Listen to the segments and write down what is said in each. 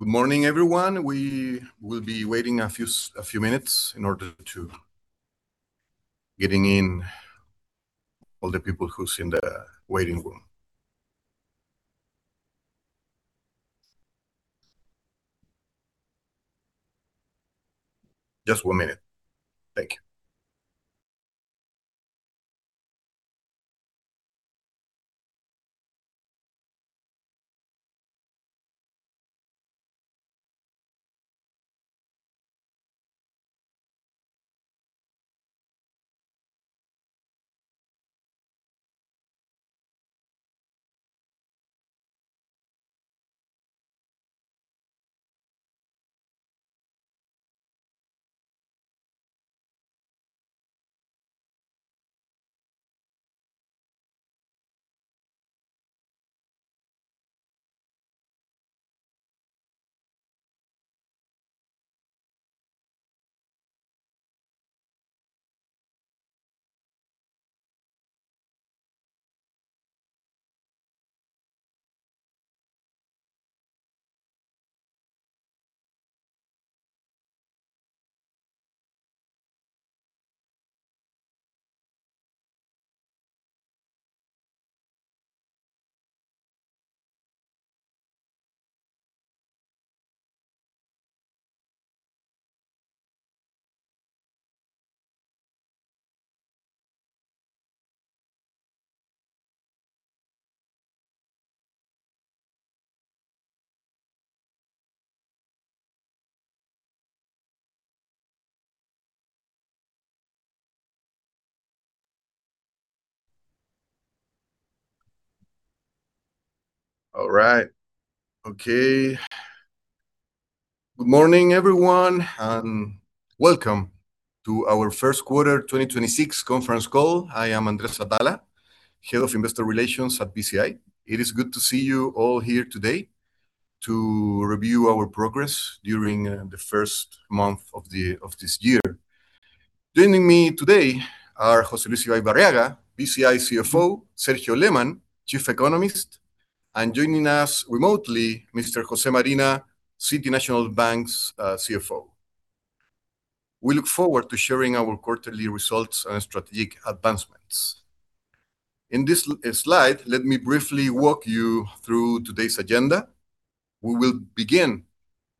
Good morning, everyone. We will be waiting a few minutes in order to getting in all the people who's in the waiting room. Just one minute. Thank you. All right. Okay. Good morning, everyone, and welcome to our first quarter 2026 conference call. I am Andrés Atala, Head of Investor Relations at BCI. It is good to see you all here today to review our progress during the first month of this year. Joining me today are José Luis Ibaibarriaga Martínez, BCI CFO, Sergio Lehmann, Chief Economist, and joining us remotely, Mr. Jose Marina, City National Bank's CFO. We look forward to sharing our quarterly results and strategic advancements. In this slide, let me briefly walk you through today's agenda. We will begin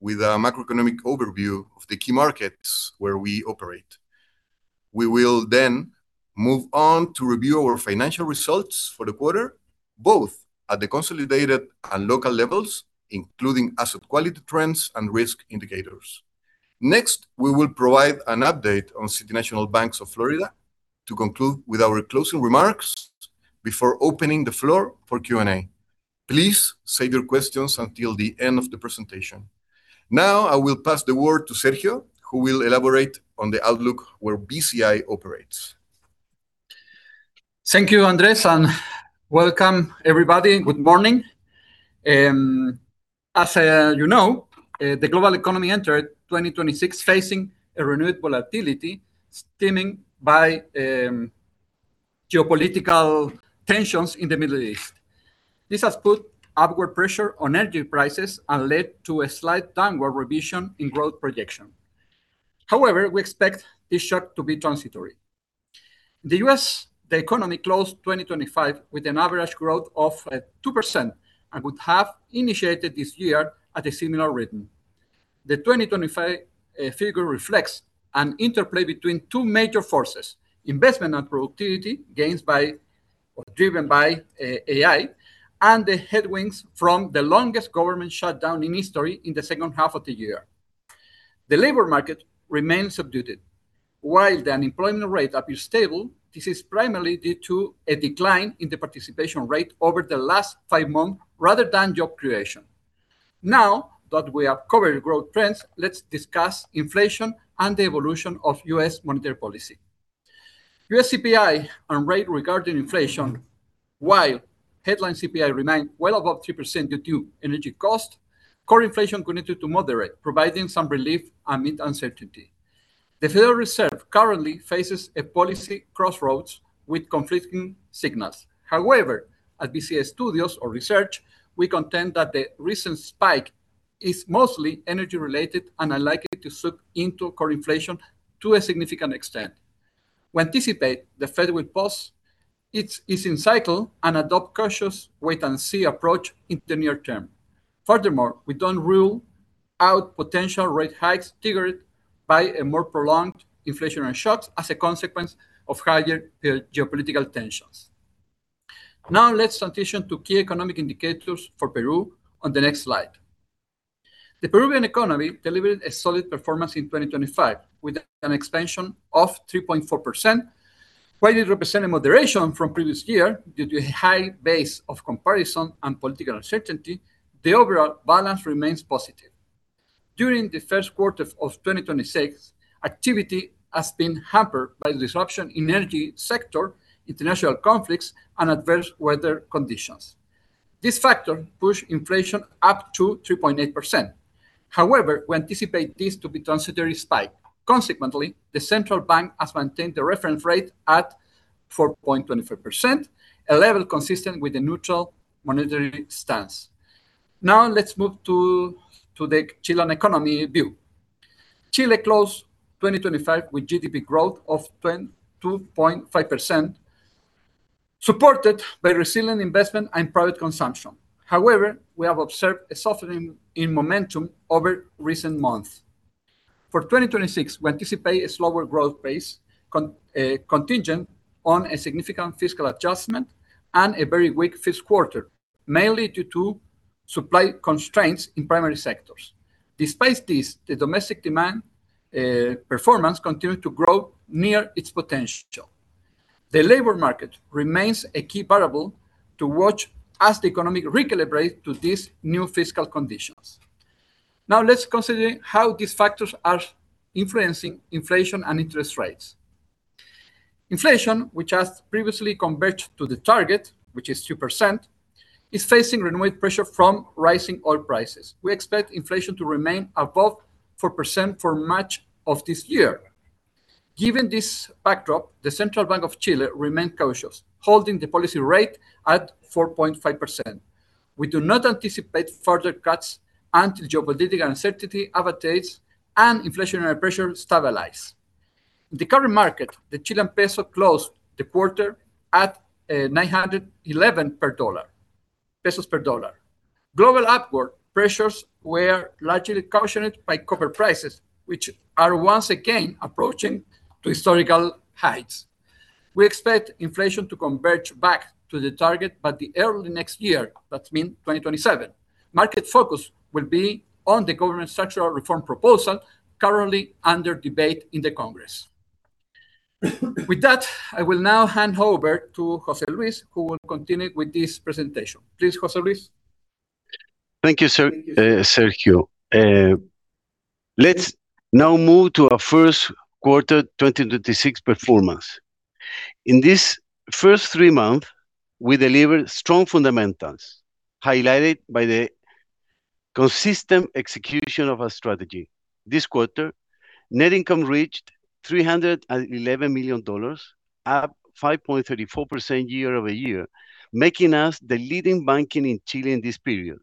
with a macroeconomic overview of the key markets where we operate. We will then move on to review our financial results for the quarter, both at the consolidated and local levels, including asset quality, trends, and risk indicators. We will provide an update on City National Bank of Florida to conclude with our closing remarks before opening the floor for Q&A. Please save your questions until the end of the presentation. I will pass the word to Sergio, who will elaborate on the outlook where BCI operates. Thank you, Andrés, and welcome, everybody. Good morning. As you know, the global economy entered 2026 facing a renewed volatility stemming by geopolitical tensions in the Middle East. This has put upward pressure on energy prices and led to a slight downward revision in growth projection. We expect this shock to be transitory. The U.S., the economy closed 2025 with an average growth of 2%, and would have initiated this year at a similar rhythm. The 2025 figure reflects an interplay between two major forces: investment and productivity gains by, or driven by AI, and the headwinds from the longest government shutdown in history in the second half of the year. The labor market remains subdued. While the unemployment rate appears stable, this is primarily due to a decline in the participation rate over the last five months rather than job creation. Now that we have covered growth trends, let's discuss inflation and the evolution of U.S. monetary policy. U.S. CPI on rate regarding inflation, while headline CPI remained well above 3% due to energy cost, core inflation continued to moderate, providing some relief amid uncertainty. The Federal Reserve currently faces a policy crossroads with conflicting signals. At Bci estudios or research, we contend that the recent spike is mostly energy-related and unlikely to slip into core inflation to a significant extent. We anticipate the Fed will pause its ease cycle and adopt cautious wait-and-see approach in the near term. We don't rule out potential rate hikes triggered by a more prolonged inflationary shock as a consequence of higher geopolitical tensions. Now let's transition to key economic indicators for Peru on the next slide. The Peruvian economy delivered a solid performance in 2025 with an expansion of 3.4%. While it represent a moderation from previous year due to a high base of comparison and political uncertainty, the overall balance remains positive. During the first quarter of 2026, activity has been hampered by disruption in energy sector, international conflicts, and adverse weather conditions. This factor pushed inflation up to 3.8%. However, we anticipate this to be transitory spike. Consequently, the central bank has maintained the reference rate at 4.25%, a level consistent with the neutral monetary stance. Now let's move to the Chilean economy view. Chile closed 2025 with GDP growth of 2.5%, supported by resilient investment and private consumption. However, we have observed a softening in momentum over recent months. For 2026, we anticipate a slower growth pace contingent on a significant fiscal adjustment and a very weak first quarter, mainly due to supply constraints in primary sectors. Despite this, the domestic demand performance continued to grow near its potential. The labor market remains a key variable to watch as the economy recalibrates to these new fiscal conditions. Now let's consider how these factors are influencing inflation and interest rates. Inflation, which has previously converged to the target, which is 2%, is facing renewed pressure from rising oil prices. We expect inflation to remain above 4% for much of this year. Given this backdrop, the Central Bank of Chile remain cautious, holding the policy rate at 4.5%. We do not anticipate further cuts until geopolitical uncertainty abates and inflationary pressure stabilize. In the current market, the Chilean peso closed the quarter at 911 per dollar, pesos per dollar. Global upward pressures were largely cautioned by copper prices, which are once again approaching to historical heights. We expect inflation to converge back to the target by the early next year. That mean 2027. Market focus will be on the government structural reform proposal currently under debate in the Congress. With that, I will now hand over to José Luis, who will continue with this presentation. Please, José Luis. Thank you, Sergio. Let's now move to our first quarter 2026 performance. In this first three months, we delivered strong fundamentals, highlighted by the consistent execution of our strategy. This quarter, net income reached $311 million, up 5.34% year-over-year, making us the leading bank in Chile in this period.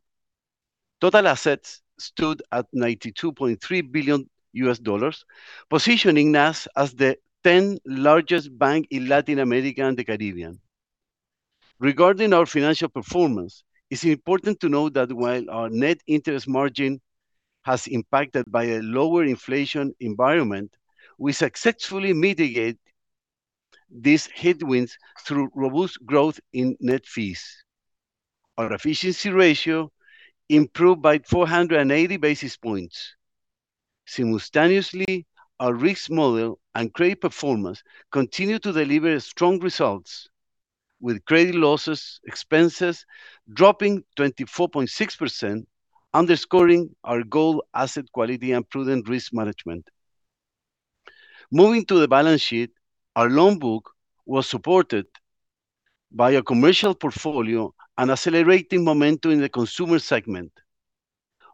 Total assets stood at $92.3 billion, positioning us as the 10th largest bank in Latin America and the Caribbean. Regarding our financial performance, it's important to know that while our net interest margin was impacted by a lower inflation environment, we successfully mitigate these headwinds through robust growth in net fees. Our efficiency ratio improved by 480 basis points. Simultaneously, our risk model and credit performance continued to deliver strong results, with credit losses, expenses dropping 24.6%, underscoring our good asset quality and prudent risk management. Moving to the balance sheet, our loan book was supported by a commercial portfolio and accelerating momentum in the consumer segment.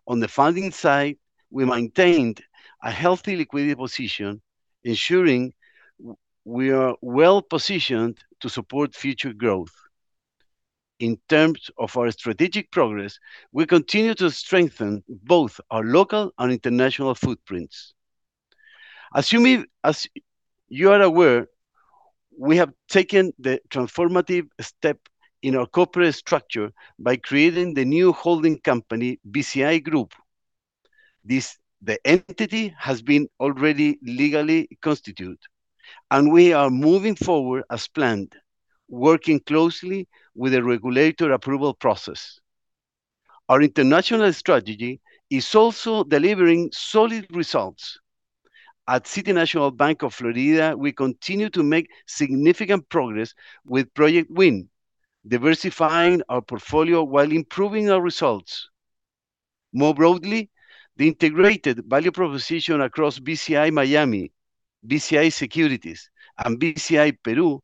On the funding side, we maintained a healthy liquidity position, ensuring we are well positioned to support future growth. In terms of our strategic progress, we continue to strengthen both our local and international footprints. As you are aware, we have taken the transformative step in our corporate structure by creating the new holding company, BCI Group. The entity has been already legally constituted, and we are moving forward as planned, working closely with the regulator approval process. Our international strategy is also delivering solid results. At City National Bank of Florida, we continue to make significant progress with Project Win, diversifying our portfolio while improving our results. More broadly, the integrated value proposition across Bci Miami, Bci Securities, and Bci Perú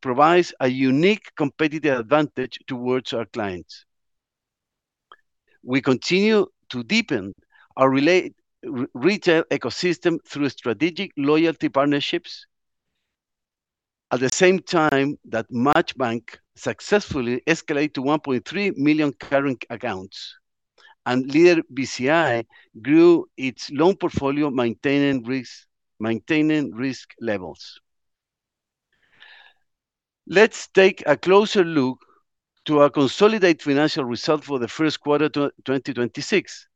provides a unique competitive advantage towards our clients. We continue to deepen our retail ecosystem through strategic loyalty partnerships. At the same time, that MACHBANK successfully escalate to 1.3 million current accounts, and Lider Bci grew its loan portfolio, maintaining risk levels. Let's take a closer look to our consolidated financial result for the first quarter 2026,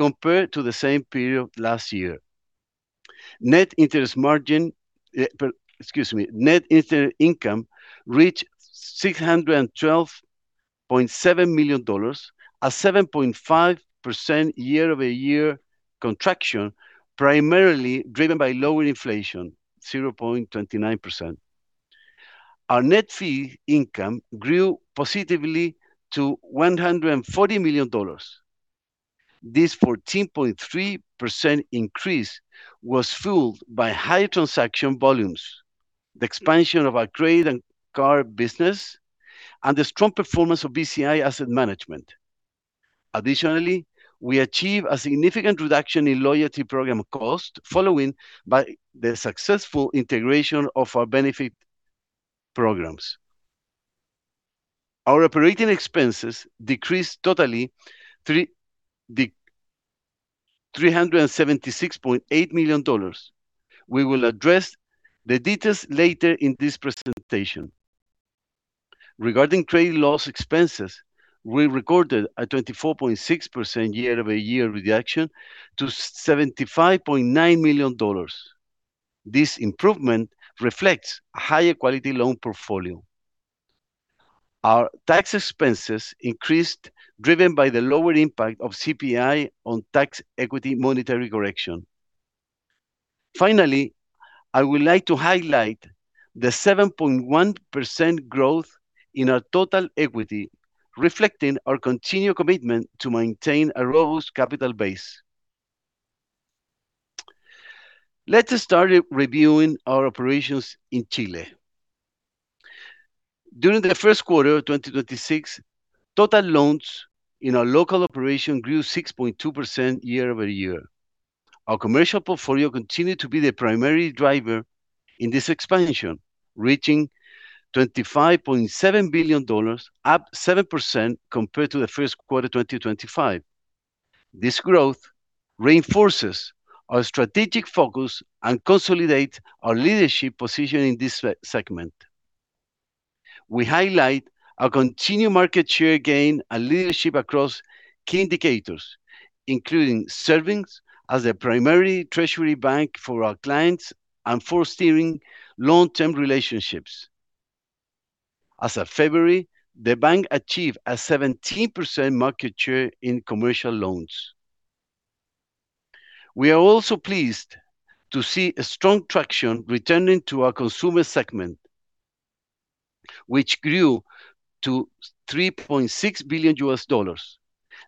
compared to the same period last year. Net interest income reached $612.7 million, a 7.5% year-over-year contraction, primarily driven by lower inflation, 0.29%. Our net fee income grew positively to $140 million. This 14.3% increase was fueled by higher transaction volumes, the expansion of our trade and car business, and the strong performance of Bci Asset Management. Additionally, we achieved a significant reduction in loyalty program cost following by the successful integration of our benefit programs. Our operating expenses decreased totally $376.8 million. We will address the details later in this presentation. Regarding trade loss expenses, we recorded a 24.6% year-over-year reduction to $75.9 million. This improvement reflects higher quality loan portfolio. Our tax expenses increased, driven by the lower impact of CPI on tax equity monetary correction. Finally, I would like to highlight the 7.1% growth in our total equity, reflecting our continued commitment to maintain a robust capital base. Let's start re-reviewing our operations in Chile. During the first quarter of 2026, total loans in our local operation grew 6.2% year-over-year. Our commercial portfolio continued to be the primary driver in this expansion, reaching $25.7 billion, up 7% compared to the first quarter of 2025. This growth reinforces our strategic focus and consolidate our leadership position in this segment. We highlight our continued market share gain and leadership across key indicators, including serving as a primary treasury bank for our clients and for steering long-term relationships. As of February, the bank achieved a 17% market share in commercial loans. We are also pleased to see a strong traction returning to our consumer segment, which grew to $3.6 billion.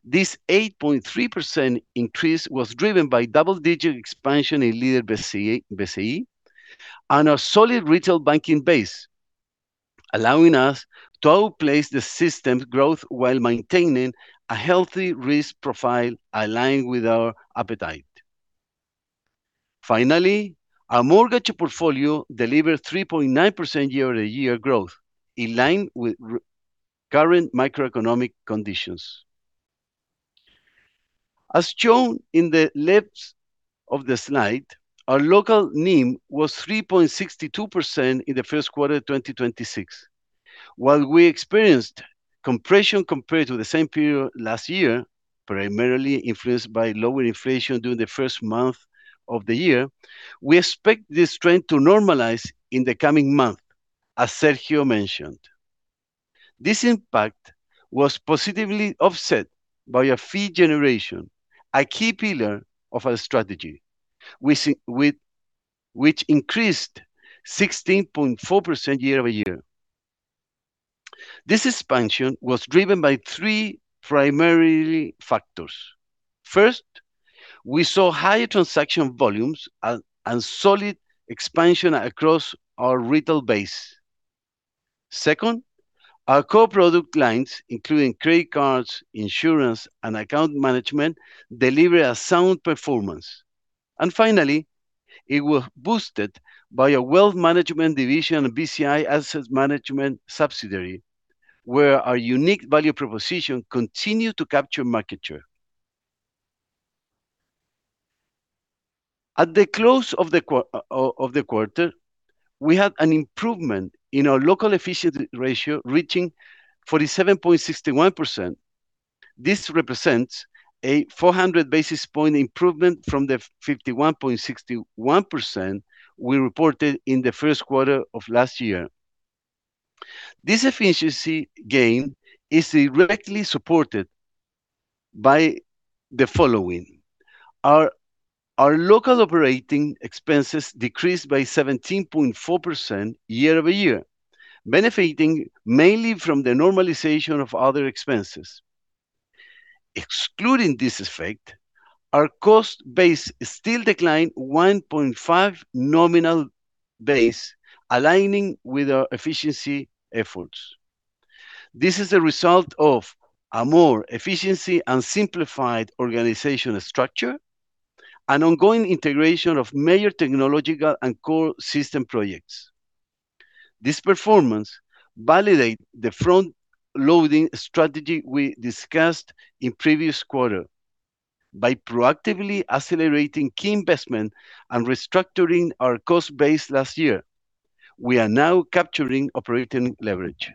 This 8.3% increase was driven by double-digit expansion in Lider Bci and our solid retail banking base, allowing us to outpace the system's growth while maintaining a healthy risk profile aligned with our appetite. Finally, our mortgage portfolio delivered 3.9% year-over-year growth, in line with current macroeconomic conditions. As shown in the left of the slide, our local NIM was 3.62% in the first quarter of 2026. While we experienced compression compared to the same period last year, primarily influenced by lower inflation during the first month of the year, we expect this trend to normalize in the coming month, as Sergio mentioned. This impact was positively offset by a fee generation, a key pillar of our strategy, which increased 16.4% year-over-year. This expansion was driven by three primary factors. First, we saw higher transaction volumes and solid expansion across our retail base. Second, our core product lines, including credit cards, insurance, and account management, delivered a sound performance. Finally, it was boosted by our wealth management division and Bci Asset Management subsidiary, where our unique value proposition continued to capture market share. At the close of the quarter, we had an improvement in our local efficiency ratio, reaching 47.61%. This represents a 400 basis point improvement from the 51.61% we reported in the first quarter of last year. This efficiency gain is directly supported by the following. Our local operating expenses decreased by 17.4% year-over-year, benefiting mainly from the normalization of other expenses. Excluding this effect, our cost base still declined 1.5 nominal base, aligning with our efficiency efforts. This is a result of a more efficient and simplified organizational structure and ongoing integration of major technological and core system projects. This performance validate the front-loading strategy we discussed in previous quarter by proactively accelerating key investment and restructuring our cost base last year. We are now capturing operating leverage.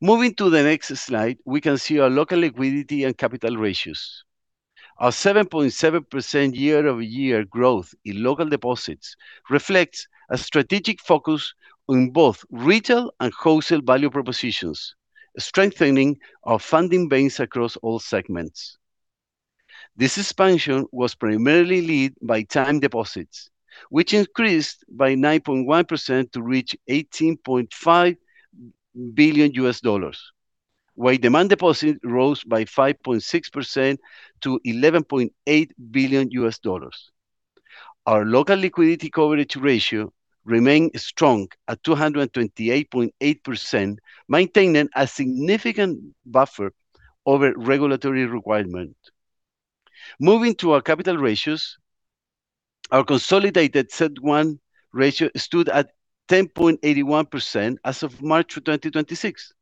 Moving to the next slide, we can see our local liquidity and capital ratios. Our 7.7% year-over-year growth in local deposits reflects a strategic focus on both retail and wholesale value propositions, strengthening our funding base across all segments. This expansion was primarily led by time deposits, which increased by 9.1% to reach $18.5 billion, while demand deposit rose by 5.6% to $11.8 billion. Our local liquidity coverage ratio remained strong at 228.8%, maintaining a significant buffer over regulatory requirement. Moving to our capital ratios, our consolidated CET1 ratio stood at 10.81% as of March 2026.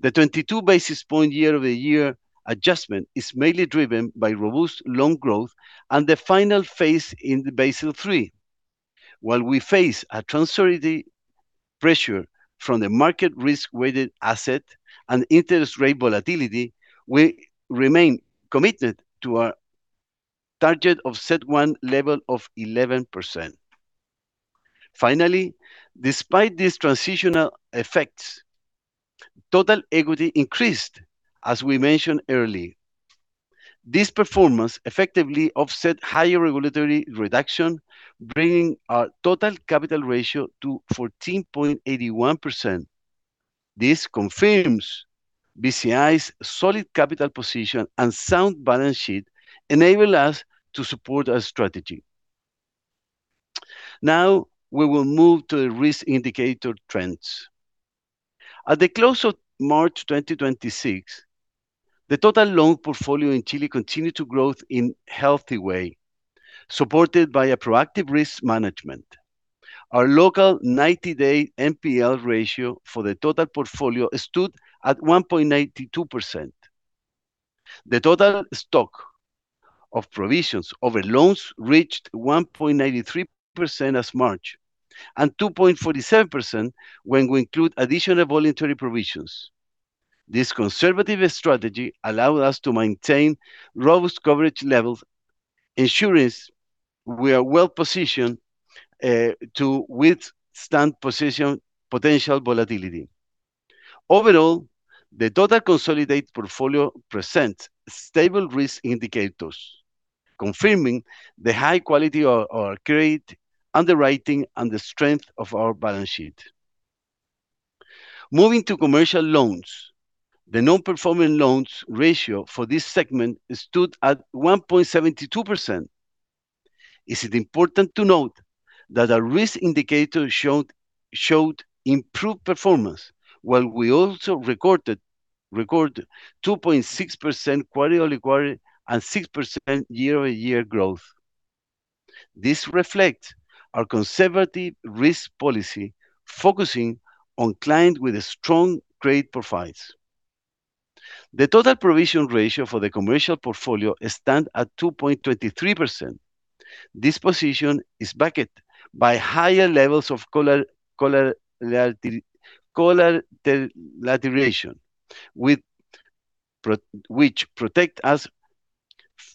The 22 basis point year-over-year adjustment is mainly driven by robust loan growth and the final phase in the Basel III. While we face a transitory pressure from the market risk-weighted asset and interest rate volatility, we remain committed to our target of CET1 level of 11%. Finally, despite these transitional effects, total equity increased, as we mentioned earlier. This performance effectively offset higher regulatory reduction, bringing our total capital ratio to 14.81%. This confirms BCI's solid capital position and sound balance sheet enable us to support our strategy. We will move to the risk indicator trends. At the close of March 2026, the total loan portfolio in Chile continued to grow in healthy way, supported by a proactive risk management. Our local 90-day NPL ratio for the total portfolio stood at 1.92%. The total stock of provisions over loans reached 1.83% as March, and 2.47% when we include additional voluntary provisions. This conservative strategy allowed us to maintain robust coverage levels, ensuring we are well-positioned to withstand potential volatility. The total consolidated portfolio present stable risk indicators, confirming the high quality of our credit underwriting and the strength of our balance sheet. Moving to commercial loans, the non-performing loans ratio for this segment stood at 1.72%. It is important to note that our risk indicator showed improved performance, while we also recorded 2.6% quarter-over-quarter and 6% year-over-year growth. This reflects our conservative risk policy, focusing on client with strong credit profiles. The total provision ratio for the commercial portfolio stood at 2.23%. This position is backed by higher levels of collateralization, which protects us from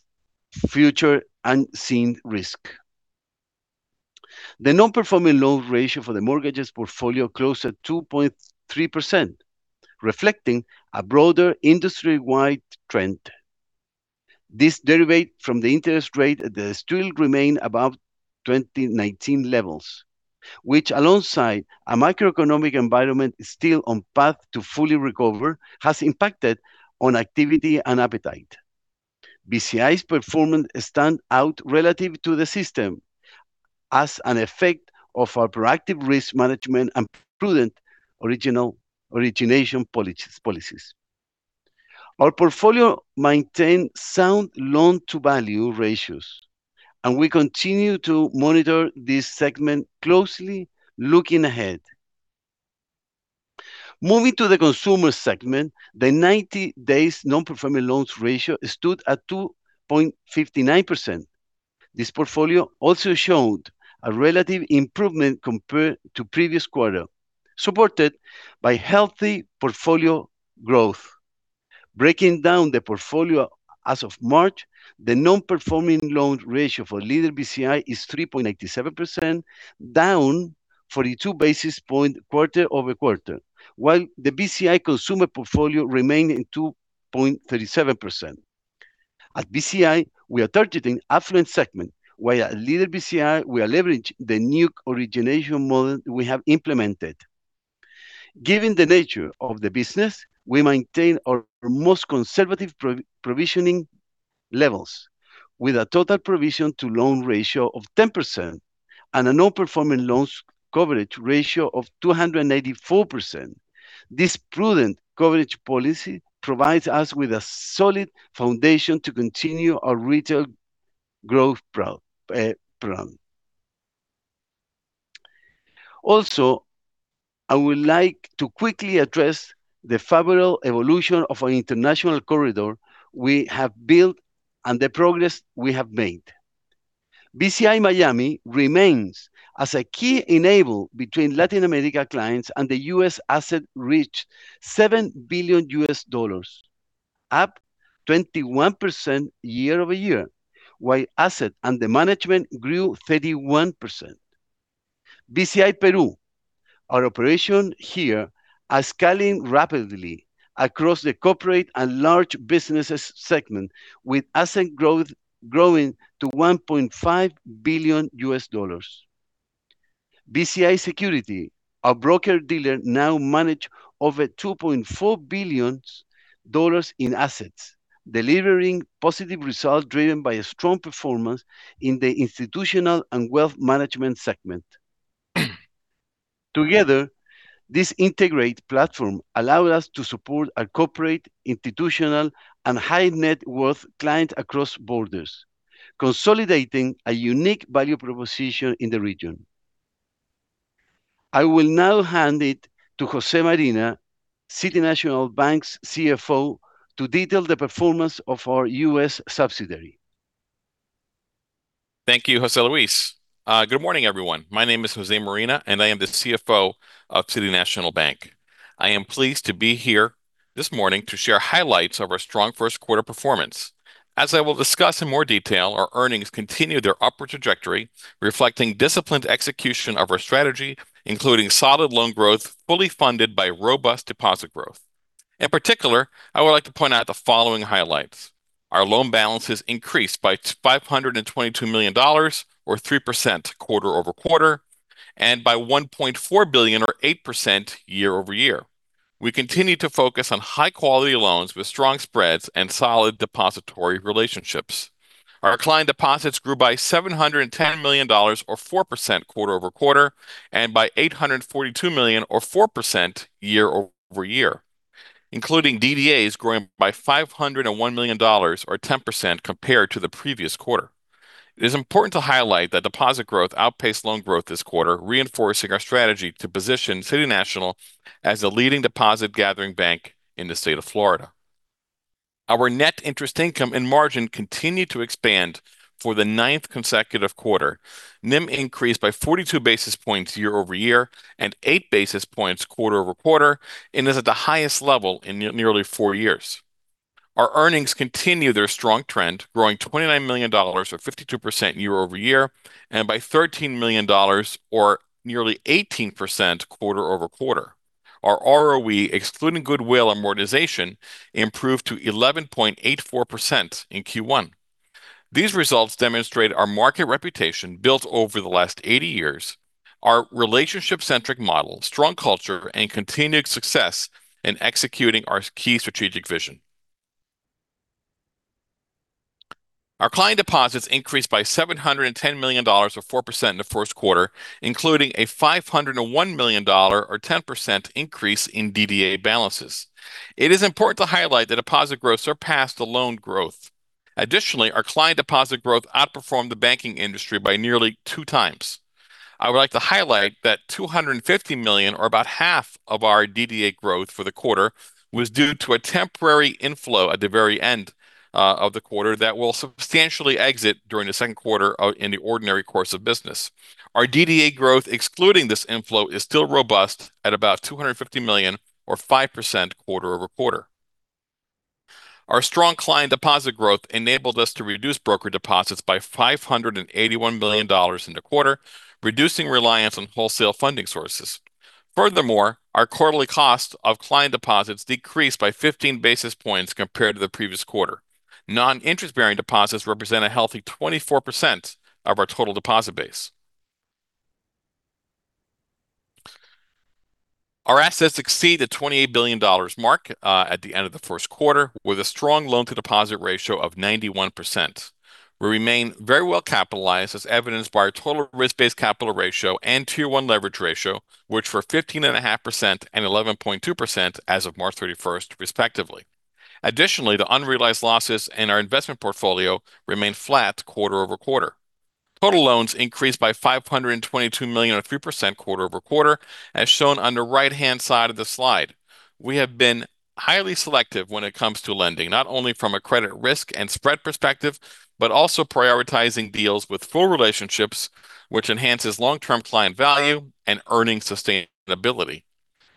future unseen risk. The non-performing loan ratio for the mortgages portfolio closed at 2.3%, reflecting a broader industry-wide trend. This derives from the interest rate that still remains above 2019 levels, which alongside a macroeconomic environment still on path to fully recover, has impacted on activity and appetite. BCI's performance stand out relative to the system as an effect of our proactive risk management and prudent origination policies. Our portfolio maintain sound loan-to-value ratios, and we continue to monitor this segment closely looking ahead. Moving to the consumer segment, the 90-day non-performing loans ratio stood at 2.59%. This portfolio also showed a relative improvement compared to previous quarter, supported by healthy portfolio growth. Breaking down the portfolio as of March, the non-performing loan ratio for Lider Bci is 3.87%, down 42 basis point quarter-over-quarter, while the BCI consumer portfolio remained in 2.37%. At BCI, we are targeting affluent segment, while at Lider Bci, we are leveraging the new origination model we have implemented. Given the nature of the business, we maintain our most conservative provisioning levels, with a total provision to loan ratio of 10% and a non-performing loans coverage ratio of 284%. This prudent coverage policy provides us with a solid foundation to continue our retail growth program. Also, I would like to quickly address the favorable evolution of our international corridor we have built and the progress we have made. Bci Miami remains as a key enabler between Latin America clients, and the U.S. asset reached $7 billion, up 21% year-over-year, while asset under management grew 31%. Bci Perú, our operation here are scaling rapidly across the corporate and large businesses segment, with asset growth growing to $1.5 billion. Bci Securities, our broker-dealer, now manage over $2.4 billions in assets, delivering positive results driven by a strong performance in the institutional and wealth management segment. Together, this integrated platform allow us to support our corporate, institutional, and high net worth clients across borders, consolidating a unique value proposition in the region. I will now hand it to Jose Marina, City National Bank's CFO, to detail the performance of our U.S. subsidiary. Thank you, José Luis. Good morning, everyone. My name is Jose Marina, and I am the CFO of City National Bank. I am pleased to be here this morning to share highlights of our strong first quarter performance. As I will discuss in more detail, our earnings continue their upward trajectory, reflecting disciplined execution of our strategy, including solid loan growth, fully funded by robust deposit growth. In particular, I would like to point out the following highlights. Our loan balances increased by $522 million or 3% quarter-over-quarter, and by $1.4 billion or 8% year-over-year. We continue to focus on high quality loans with strong spreads and solid depository relationships. Our client deposits grew by $710 million or 4% quarter-over-quarter, and by $842 million or 4% year-over-year, including DDAs growing by $501 million or 10% compared to the previous quarter. It is important to highlight that deposit growth outpaced loan growth this quarter, reinforcing our strategy to position City National as a leading deposit gathering bank in the state of Florida. Our net interest income and margin continued to expand for the ninth consecutive quarter. NIM increased by 42 basis points year-over-year and 8 basis points quarter-over-quarter, and is at the highest level in nearly four years. Our earnings continue their strong trend, growing $29 million or 52% year-over-year, and by $13 million or nearly 18% quarter-over-quarter. Our ROE, excluding goodwill amortization, improved to 11.84% in Q1. These results demonstrate our market reputation built over the last 80 years, our relationship-centric model, strong culture, and continued success in executing our key strategic vision. Our client deposits increased by $710 million or 4% in the first quarter, including a $501 million or 10% increase in DDA balances. It is important to highlight that deposit growth surpassed the loan growth. Additionally, our client deposit growth outperformed the banking industry by nearly 2x. I would like to highlight that $250 million, or about half of our DDA growth for the quarter, was due to a temporary inflow at the very end of the quarter that will substantially exit during the second quarter in the ordinary course of business. Our DDA growth, excluding this inflow, is still robust at about $250 million or 5% quarter-over-quarter. Our strong client deposit growth enabled us to reduce broker deposits by $581 million in the quarter, reducing reliance on wholesale funding sources. Furthermore, our quarterly cost of client deposits decreased by 15 basis points compared to the previous quarter. Non-interest-bearing deposits represent a healthy 24% of our total deposit base. Our assets exceed the $28 billion mark at the end of the first quarter, with a strong loan-to-deposit ratio of 91%. We remain very well capitalized as evidenced by our total risk-based capital ratio and Tier 1 leverage ratio, which were 15.5% and 11.2% as of March 31st, respectively. Additionally, the unrealized losses in our investment portfolio remained flat quarter-over-quarter. Total loans increased by $522 million or 3% quarter-over-quarter, as shown on the right-hand side of the slide. We have been highly selective when it comes to lending, not only from a credit risk and spread perspective, but also prioritizing deals with full relationships, which enhances long-term client value and earning sustainability.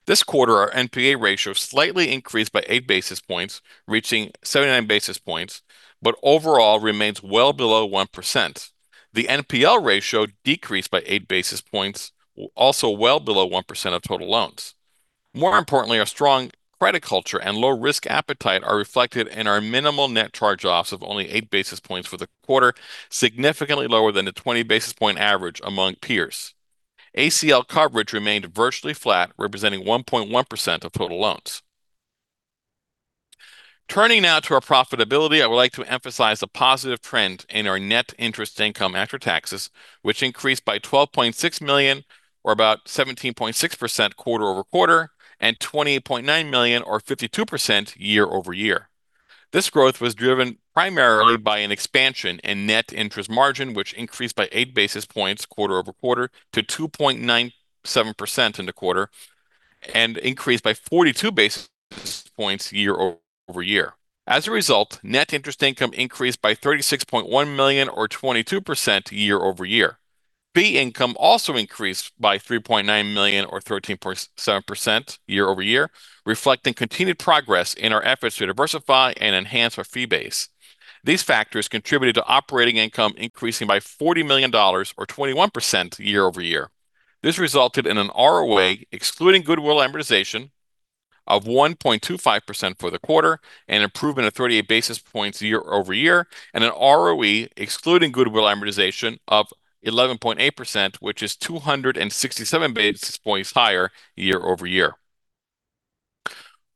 This quarter, our NPA ratio slightly increased by 8 basis points, reaching 79 basis points, but overall remains well below 1%. The NPL ratio decreased by 8 basis points, also well below 1% of total loans. More importantly, our strong credit culture and low risk appetite are reflected in our minimal net charge-offs of only 8 basis points for the quarter, significantly lower than the 20 basis point average among peers. ACL coverage remained virtually flat, representing 1.1% of total loans. Turning now to our profitability, I would like to emphasize a positive trend in our net interest income after taxes, which increased by $12.6 million or about 17.6% quarter-over-quarter, and $28.9 million or 52% year-over-year. This growth was driven primarily by an expansion in net interest margin, which increased by 8 basis points quarter-over-quarter to 2.97% in the quarter and increased by 42 basis points year-over-year. As a result, net interest income increased by $36.1 million or 22% year-over-year. Fee income also increased by $3.9 million or 13.7% year-over-year, reflecting continued progress in our efforts to diversify and enhance our fee base. These factors contributed to operating income increasing by $40 million or 21% year-over-year. This resulted in an ROA, excluding goodwill amortization of 1.25% for the quarter, an improvement of 38 basis points year-over-year, and an ROE excluding goodwill amortization of 11.8%, which is 267 basis points higher year-over-year.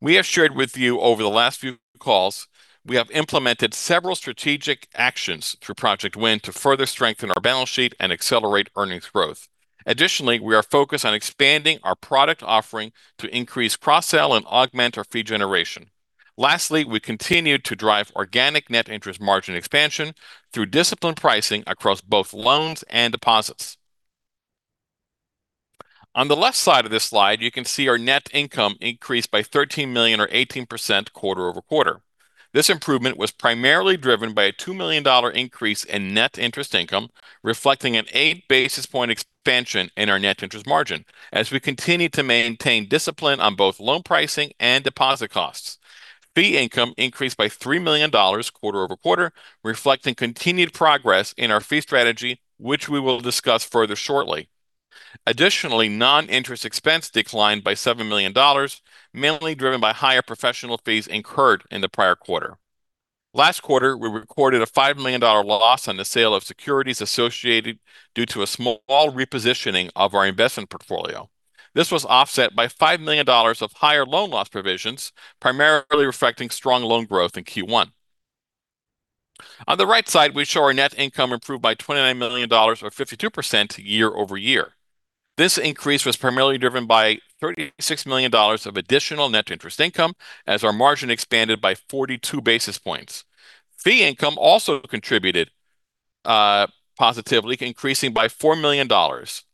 We have shared with you over the last few calls we have implemented several strategic actions through Project Win to further strengthen our balance sheet and accelerate earnings growth. Additionally, we are focused on expanding our product offering to increase cross-sell and augment our fee generation. Lastly, we continue to drive organic net interest margin expansion through disciplined pricing across both loans and deposits. On the left side of this slide, you can see our net income increased by $13 million or 18% quarter-over-quarter. This improvement was primarily driven by a $2 million increase in net interest income, reflecting an 8 basis point expansion in our net interest margin as we continue to maintain discipline on both loan pricing and deposit costs. Fee income increased by $3 million quarter-over-quarter, reflecting continued progress in our fee strategy, which we will discuss further shortly. Additionally, non-interest expense declined by $7 million, mainly driven by higher professional fees incurred in the prior quarter. Last quarter, we recorded a $5 million loss on the sale of securities associated due to a small repositioning of our investment portfolio. This was offset by $5 million of higher loan loss provisions, primarily reflecting strong loan growth in Q1. On the right side, we show our net income improved by $29 million or 52% year-over-year. This increase was primarily driven by $36 million of additional net interest income as our margin expanded by 42 basis points. Fee income also contributed positively, increasing by $4 million.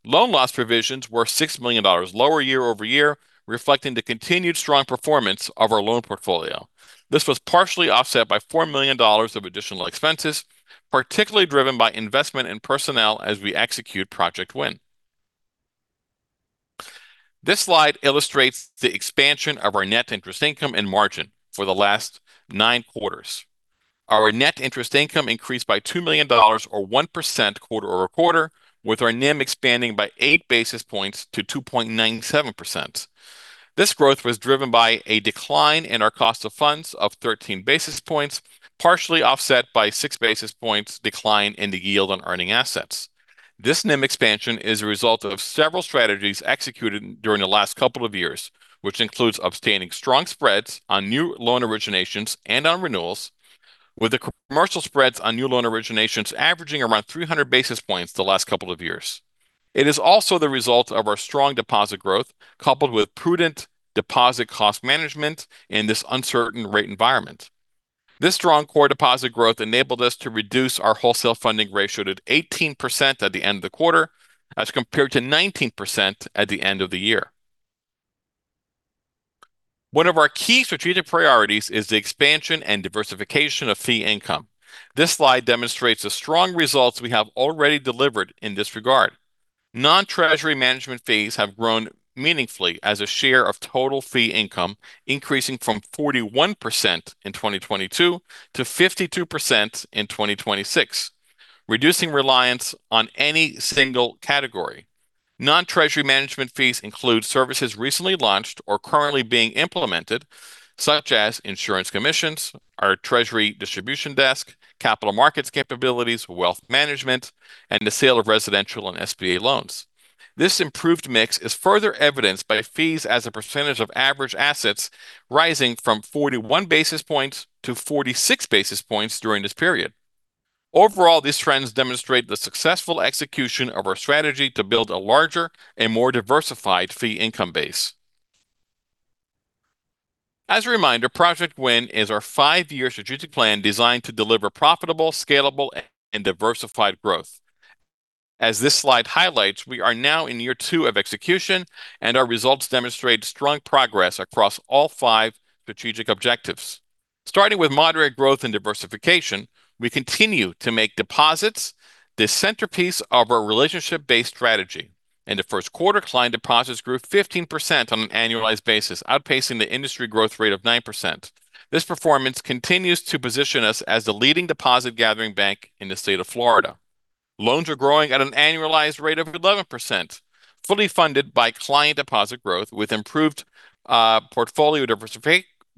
Loan loss provisions were $6 million lower year-over-year, reflecting the continued strong performance of our loan portfolio. This was partially offset by $4 million of additional expenses, particularly driven by investment in personnel as we execute Project Win. This slide illustrates the expansion of our net interest income and margin for the last nine quarters. Our net interest income increased by $2 million or 1% quarter-over-quarter, with our NIM expanding by 8 basis points to 2.97%. This growth was driven by a decline in our cost of funds of 13 basis points, partially offset by 6 basis points decline in the yield on earning assets. This NIM expansion is a result of several strategies executed during the last couple of years, which includes obtaining strong spreads on new loan originations and on renewals, with the commercial spreads on new loan originations averaging around 300 basis points the last couple of years. It is also the result of our strong deposit growth, coupled with prudent deposit cost management in this uncertain rate environment. This strong core deposit growth enabled us to reduce our wholesale funding ratio to 18% at the end of the quarter as compared to 19% at the end of the year. One of our key strategic priorities is the expansion and diversification of fee income. This slide demonstrates the strong results we have already delivered in this regard. Non-Treasury management fees have grown meaningfully as a share of total fee income, increasing from 41% in 2022 to 52% in 2026, reducing reliance on any single category. Non-Treasury management fees include services recently launched or currently being implemented, such as insurance commissions, our Treasury distribution desk, capital markets capabilities, wealth management, and the sale of residential and SBA loans. This improved mix is further evidenced by fees as a percentage of average assets rising from 41 basis points to 46 basis points during this period. Overall, these trends demonstrate the successful execution of our strategy to build a larger and more diversified fee income base. As a reminder, Project Win is our five-year strategic plan designed to deliver profitable, scalable, and diversified growth. As this slide highlights, we are now in year two of execution, and our results demonstrate strong progress across all five strategic objectives. Starting with moderate growth and diversification, we continue to make deposits the centerpiece of our relationship-based strategy. In the first quarter, client deposits grew 15% on an annualized basis, outpacing the industry growth rate of 9%. This performance continues to position us as the leading deposit gathering bank in the state of Florida. Loans are growing at an annualized rate of 11%, fully funded by client deposit growth with improved portfolio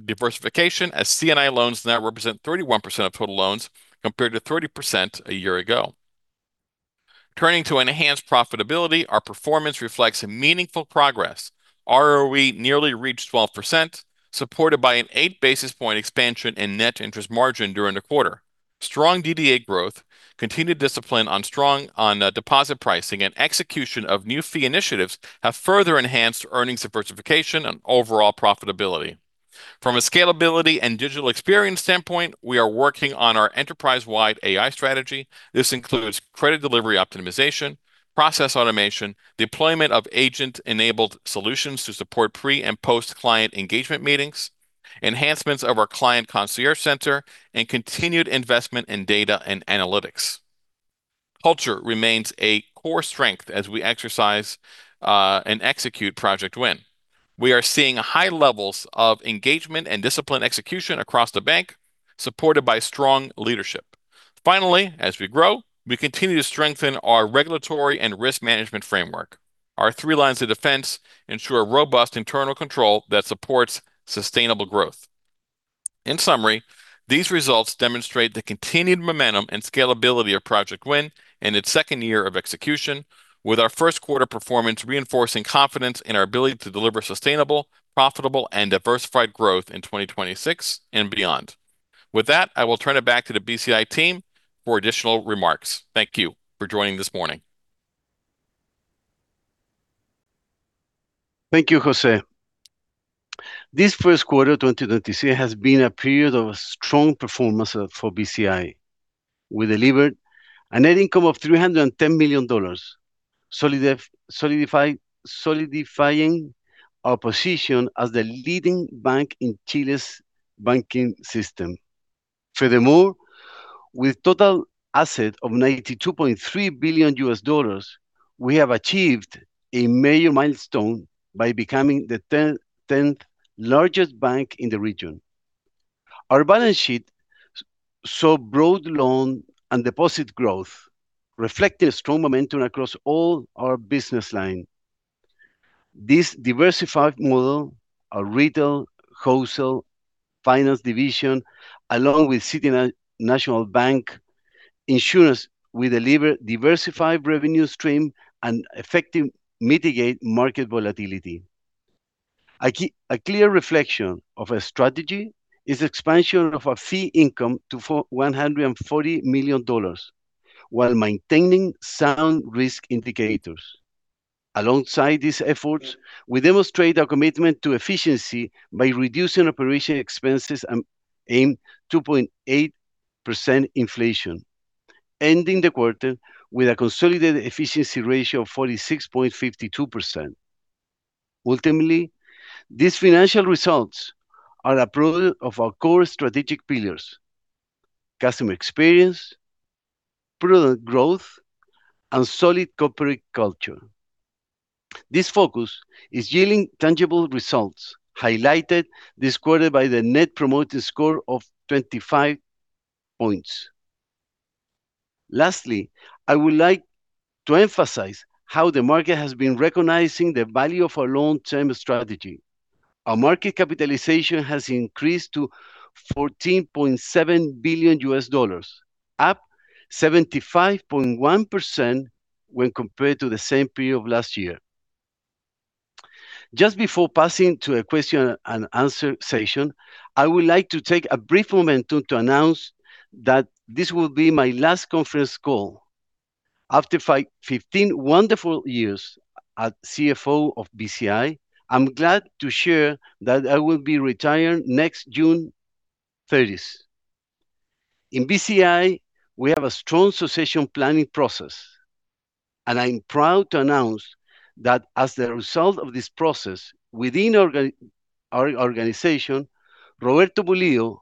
diversification as C&I loans now represent 31% of total loans, compared to 30% a year ago. Turning to enhanced profitability, our performance reflects meaningful progress. ROE nearly reached 12%, supported by an 8 basis points expansion in net interest margin during the quarter. Strong DDA growth, continued discipline on strong deposit pricing, and execution of new fee initiatives have further enhanced earnings diversification and overall profitability. From a scalability and digital experience standpoint, we are working on our enterprise-wide AI strategy. This includes credit delivery optimization, process automation, deployment of agent-enabled solutions to support pre- and post-client engagement meetings, enhancements of our client concierge center, and continued investment in data and analytics. Culture remains a core strength as we exercise and execute Project Win. We are seeing high levels of engagement and disciplined execution across the bank. Supported by strong leadership. Finally, as we grow, we continue to strengthen our regulatory and risk management framework. Our three lines of defense ensure robust internal control that supports sustainable growth. In summary, these results demonstrate the continued momentum and scalability of Project Win in its second year of execution, with our first quarter performance reinforcing confidence in our ability to deliver sustainable, profitable, and diversified growth in 2026 and beyond. With that, I will turn it back to the BCI team for additional remarks. Thank you for joining this morning. Thank you, Jose. This first quarter 2026 has been a period of strong performance for BCI. We delivered a net income of $310 million, solidifying our position as the leading bank in Chile's banking system. Furthermore, with total assets of $92.3 billion, we have achieved a major milestone by becoming the 10th largest bank in the region. Our balance sheet saw broad loan and deposit growth, reflecting strong momentum across all our business lines. This diversified model, our retail, wholesale, finance division, along with City National Bank ensures we deliver diversified revenue streams and effectively mitigate market volatility. A clear reflection of our strategy is expansion of our fee income to $140 million while maintaining sound risk indicators. Alongside these efforts, we demonstrate our commitment to efficiency by reducing operating expenses amid 2.8% inflation, ending the quarter with a consolidated efficiency ratio of 46.52%. Ultimately, these financial results are a product of our core strategic pillars, customer experience, product growth, and solid corporate culture. This focus is yielding tangible results, highlighted this quarter by the Net Promoter Score of 25 points. Lastly, I would like to emphasize how the market has been recognizing the value of our long-term strategy. Our market capitalization has increased to $14.7 billion, up 75.1% when compared to the same period of last year. Just before passing to a question and answer session, I would like to take a brief moment to announce that this will be my last conference call. After 15 wonderful years at CFO of BCI, I'm glad to share that I will be retiring next June 30th. In BCI, we have a strong succession planning process, and I'm proud to announce that as the result of this process within our organization, Roberto Pulido,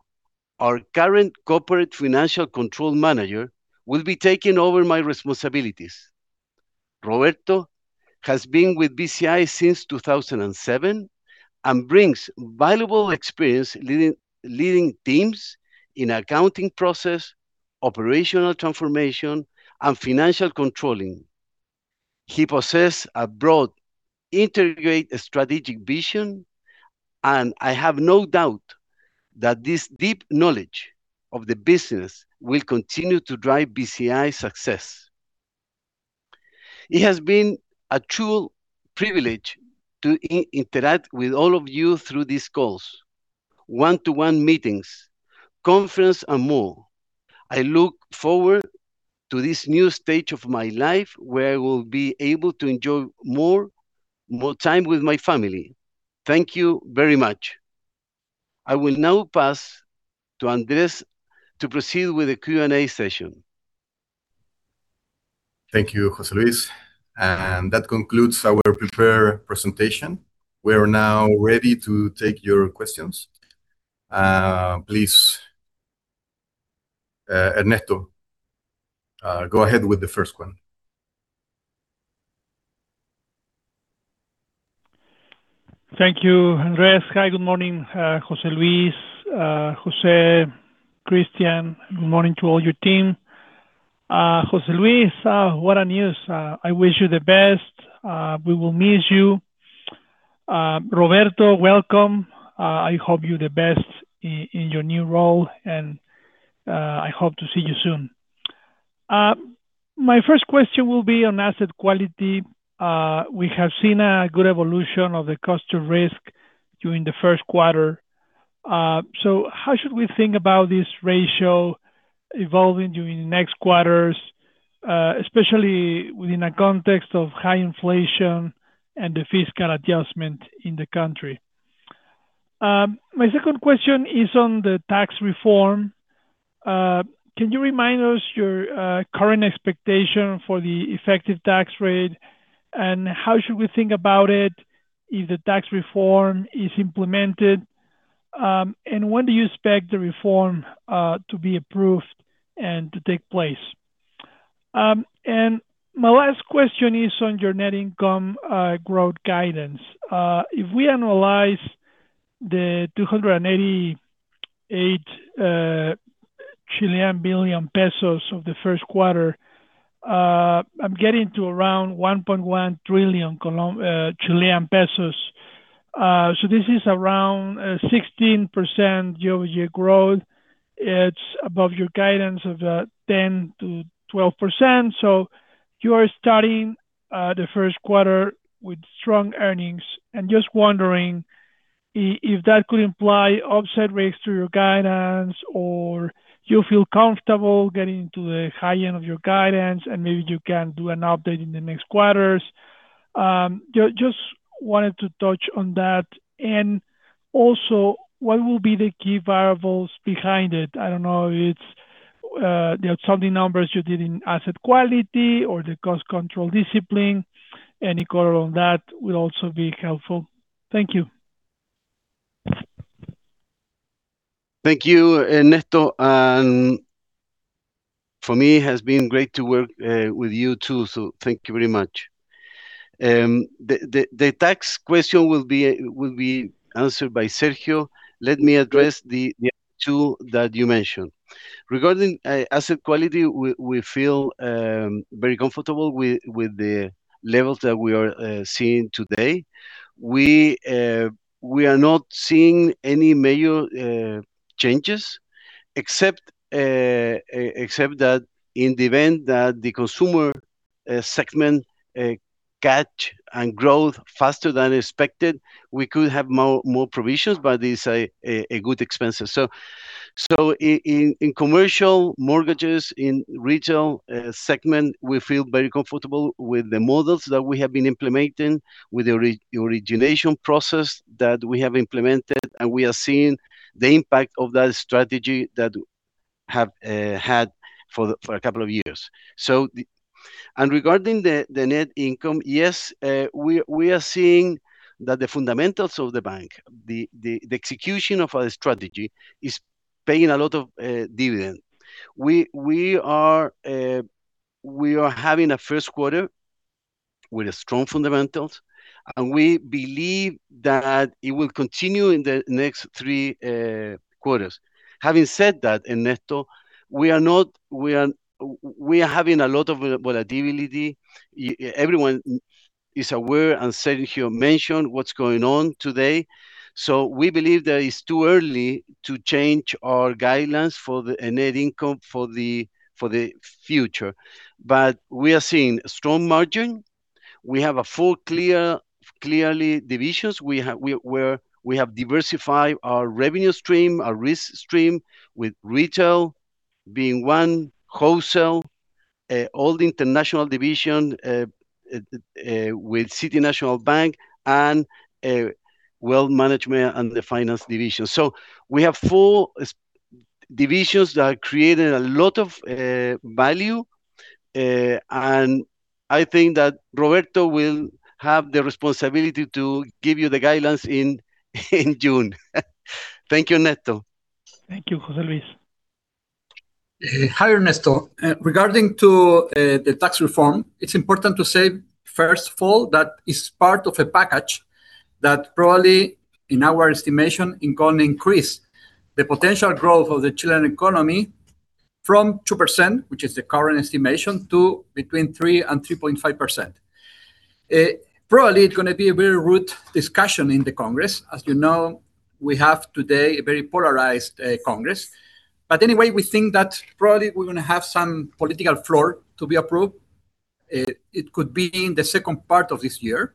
our current Corporate Financial Control Manager, will be taking over my responsibilities. Roberto has been with BCI since 2007 and brings valuable experience leading teams in accounting process, operational transformation, and financial controlling. He possess a broad integrated strategic vision, and I have no doubt that this deep knowledge of the business will continue to drive BCI's success. It has been a true privilege to interact with all of you through these calls, one-to-one meetings, conference and more. I look forward to this new stage of my life where I will be able to enjoy more time with my family. Thank you very much. I will now pass to Andrés to proceed with the Q&A session. Thank you, José Luis, and that concludes our prepared presentation. We are now ready to take your questions. Please, Ernesto, go ahead with the first one. Thank you, Andrés. Hi, good morning, José Luis, Jose, Cristián. Good morning to all your team. José Luis, what a news. I wish you the best. We will miss you. Roberto, welcome. I hope you the best in your new role, and I hope to see you soon. My first question will be on asset quality. We have seen a good evolution of the cost of risk during the first quarter. How should we think about this ratio evolving during the next quarters, especially within a context of high inflation and the fiscal adjustment in the country? My second question is on the tax reform. Can you remind us of your current expectation for the effective tax rate, and how should we think about it if the tax reform is implemented? When do you expect the reform to be approved and to take place? My last question is on your net income growth guidance. If we annualize the 288 billion pesos of the first quarter, I'm getting to around 1.1 trillion Chilean pesos. This is around 16% year-over-year growth. It's above your guidance of 10%-12%, so you are starting the first quarter with strong earnings. Just wondering if that could imply upside risk to your guidance, or you feel comfortable getting to the high end of your guidance and maybe you can do an update in the next quarters. Just wanted to touch on that. What will be the key variables behind it? I don't know if it's the outstanding numbers you did in asset quality or the cost control discipline. Any color on that would also be helpful. Thank you. Thank you, Ernesto, and for me it has been great to work with you too, so thank you very much. The tax question will be answered by Sergio. Let me address the other two that you mentioned. Regarding asset quality, we feel very comfortable with the levels that we are seeing today. We are not seeing any major changes except that in the event that the consumer segment catch and growth faster than expected, we could have more provisions, but it's a good expense or so. In commercial mortgages in retail segment, we feel very comfortable with the models that we have been implementing, with the re-origination process that we have implemented, and we are seeing the impact of that strategy that have had for a couple of years. Regarding the net income, yes, we are seeing that the fundamentals of the bank, the execution of our strategy is paying a lot of dividend. We are having a first quarter with strong fundamentals, and we believe that it will continue in the next three quarters. Having said that, Ernesto, we are having a lot of volatility. Everyone is aware, and Sergio mentioned what's going on today. We believe that it's too early to change our guidelines for the net income for the future. We are seeing strong margin. We have four clear divisions. We have diversified our revenue stream, our risk stream, with retail being one, wholesale, and the international division with City National Bank, and wealth management and the finance division. We have four divisions that are creating a lot of value, and I think that Roberto will have the responsibility to give you the guidelines in June. Thank you, Ernesto. Thank you, José Luis. Hi, Ernesto. Regarding to the tax reform, it's important to say, first of all, that it's part of a package that probably, in our estimation, it gonna increase the potential growth of the Chilean economy from 2%, which is the current estimation, to between 3% and 3.5%. Probably it gonna be a very rude discussion in the Congress. As you know, we have today a very polarized Congress. Anyway, we think that probably we're gonna have some political floor to be approved. It could be in the second part of this year.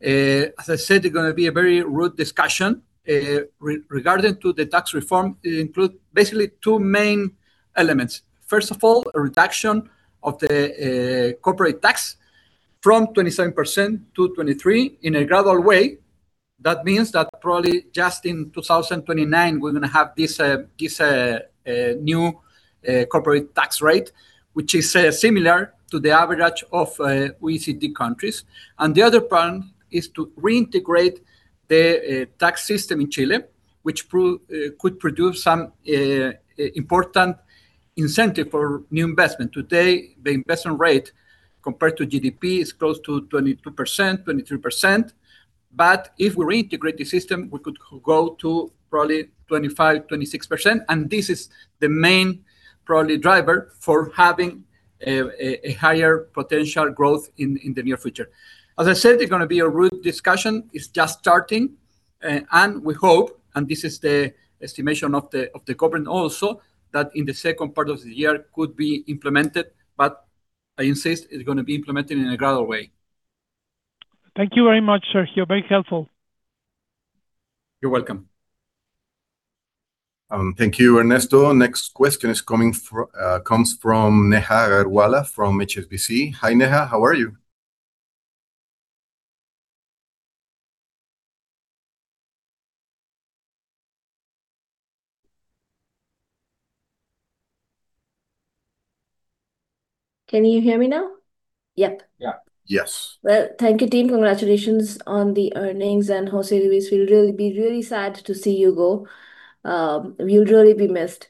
As I said, it gonna be a very rude discussion. Regarding to the tax reform, it include basically two main elements. First of all, a reduction of the corporate tax from 27% to 23% in a gradual way. That means that probably just in 2029 we're gonna have this new corporate tax rate, which is similar to the average of OECD countries. The other plan is to reintegrate the tax system in Chile, which could produce some important incentive for new investment. Today, the investment rate compared to GDP is close to 22%, 23%, but if we reintegrate the system, we could go to probably 25%, 26%. This is the main probably driver for having a higher potential growth in the near future. As I said, there's gonna be a rude discussion. It's just starting. We hope, and this is the estimation of the government also, that in the second part of the year it could be implemented, but I insist, it's gonna be implemented in a gradual way. Thank you very much, Sergio. Very helpful. You're welcome. Thank you, Ernesto. Next question comes from Neha Agarwala from HSBC. Hi, Neha. How are you? Can you hear me now? Yep Yeah. Yes. Well, thank you, team. Congratulations on the earnings, and José Luis, we'll really be sad to see you go. You'll really be missed.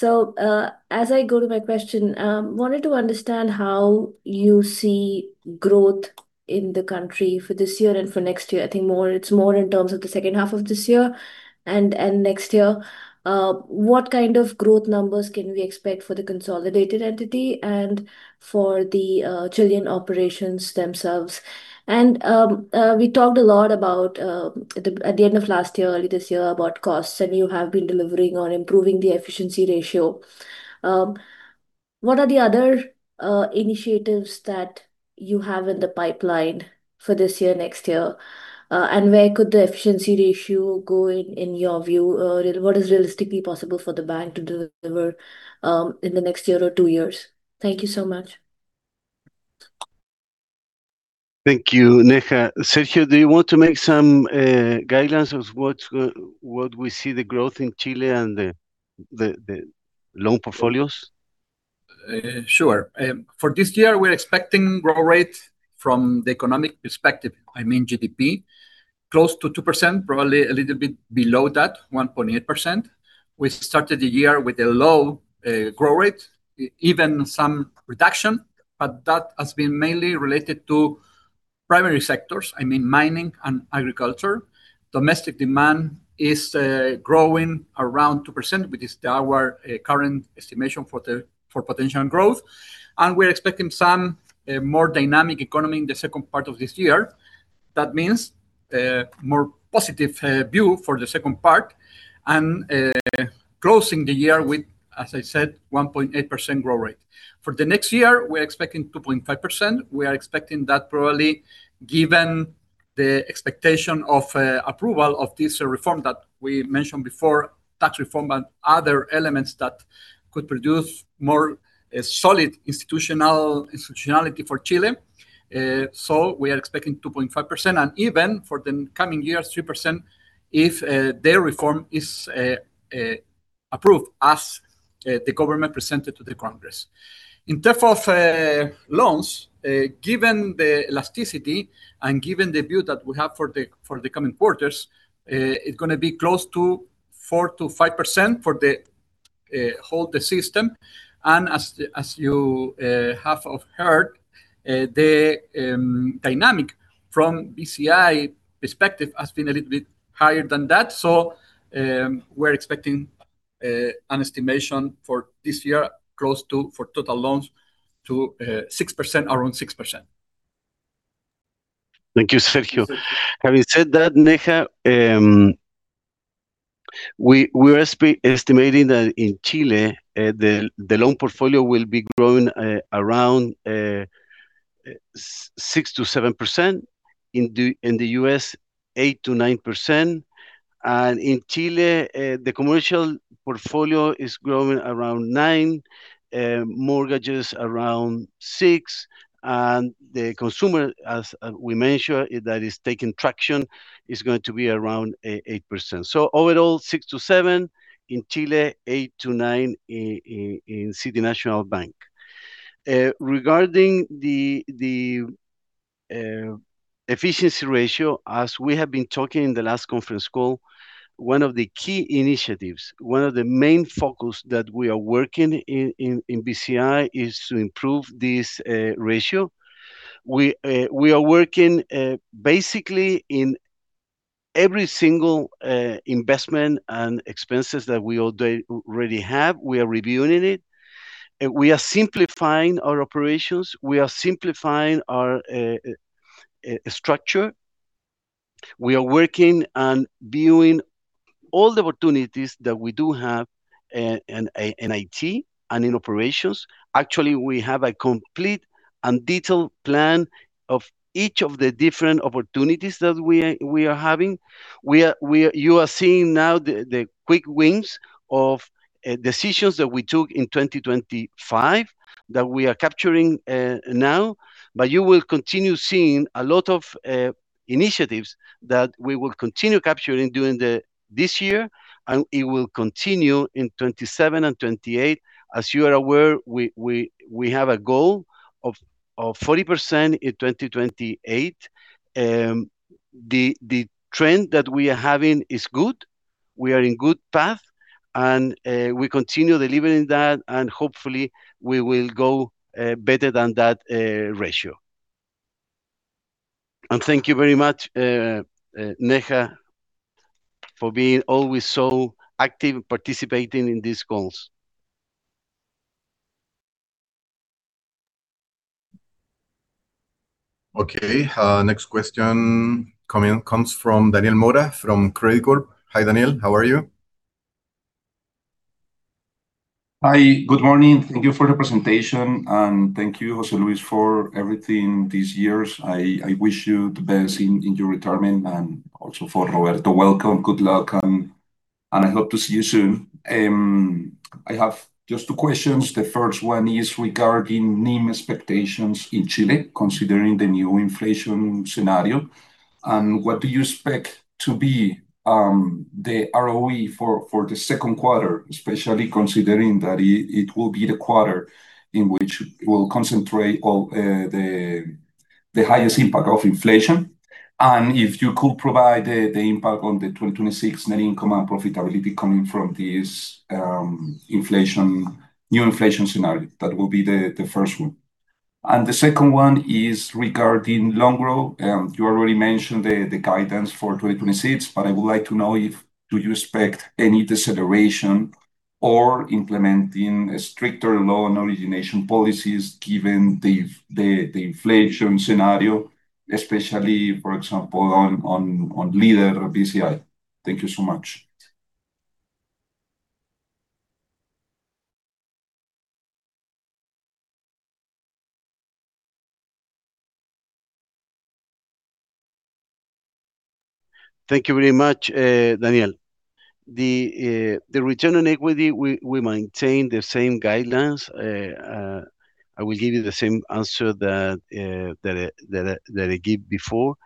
As I go to my question, I wanted to understand how you see growth in the country for this year and for next year. It's more in terms of the second half of this year and next year. What kind of growth numbers can we expect for the consolidated entity and for the Chilean operations themselves? We talked a lot about at the end of last year, early this year, about costs, and you have been delivering on improving the efficiency ratio. What are the other initiatives that you have in the pipeline for this year, next year? Where could the efficiency ratio go in your view? What is realistically possible for the bank to deliver in the next year or two years? Thank you so much. Thank you, Neha. Sergio, do you want to make some guidance on what we see for the growth in Chile and the loan portfolios? Sure. For this year, we're expecting growth rate from the economic perspective, I mean GDP, close to 2%, probably a little bit below that, 1.8%. We started the year with a low growth rate, even some reduction, but that has been mainly related to primary sectors, I mean mining and agriculture. Domestic demand is growing around 2%, which is our current estimation for the potential growth, and we're expecting a more dynamic economy in the second part of this year. That means more positive view for the second part and closing the year with, as I said, 1.8% growth rate. For the next year, we're expecting 2.5%. We are expecting that probably, given the expectation of approval of this reform that we mentioned before, tax reform and other elements that could produce more solid institutionality for Chile. We are expecting 2.5%, and even for the coming years, 3%, if their reform is approved, as the government presented to the Congress. In terms of loans, given the elasticity and given the view that we have for the coming quarters, it's gonna be close to 4%-5% for the whole system, and as you have heard, the dynamic from BCI perspective has been a little bit higher than that. We're expecting an estimation for this year close to for total loans, around 6%. Thank you, Sergio. Having said that, Neha, we are estimating that in Chile the loan portfolio will be growing around 6%-7%, in the U.S., 8%-9%, and in Chile the commercial portfolio is growing around 9%, mortgages around 6%, and the consumer, as we mentioned, that is taking traction, is going to be around 8%. Overall, 6%-7% in Chile, 8%-9% in City National Bank. Regarding the efficiency ratio, as we have been talking in the last conference call, one of the key initiatives, one of the main focus that we are working in BCI is to improve this ratio. We are working basically in every single investment and expenses that they already have, we are reviewing it. We are simplifying our operations. We are simplifying our structure. We are working on reviewing all the opportunities that we do have in IT and in operations. Actually, we have a complete and detailed plan of each of the different opportunities that we are having. You are seeing now the quick wins of decisions that we took in 2025 that we are capturing now, but you will continue seeing a lot of initiatives that we will continue capturing during this year, and it will continue in 2027 and 2028. As you are aware, we have a goal of 40% in 2028. The trend that we are having is good. We are in good path, and we continue delivering that, and hopefully we will go better than that ratio. Thank you very much, Neha, for being always so active and participating in these calls. Okay. Next question comes from Daniel Mora from Credicorp. Hi, Daniel. How are you? Hi. Good morning. Thank you for the presentation, and thank you, José Luis, for everything these years. I wish you the best in your retirement, and also for Roberto, welcome, good luck, and I hope to see you soon. I have just two questions. The first one is regarding NIM expectations in Chile, considering the new inflation scenario. What do you expect to be the ROE for the second quarter, especially considering that it will be the quarter in which we'll concentrate all the highest impact of inflation? And if you could provide the impact on the 2026 net income and profitability coming from this inflation, new inflation scenario. That will be the first one. The second one is regarding loan growth. You already mentioned the guidance for 2026, but I would like to know if you expect any deceleration or implementing stricter loan origination policies given the inflation scenario, especially, for example, on Líder Bci. Thank you so much. Thank you very much, Daniel. The return on equity, we maintain the same guidelines. I will give you the same answer that I give before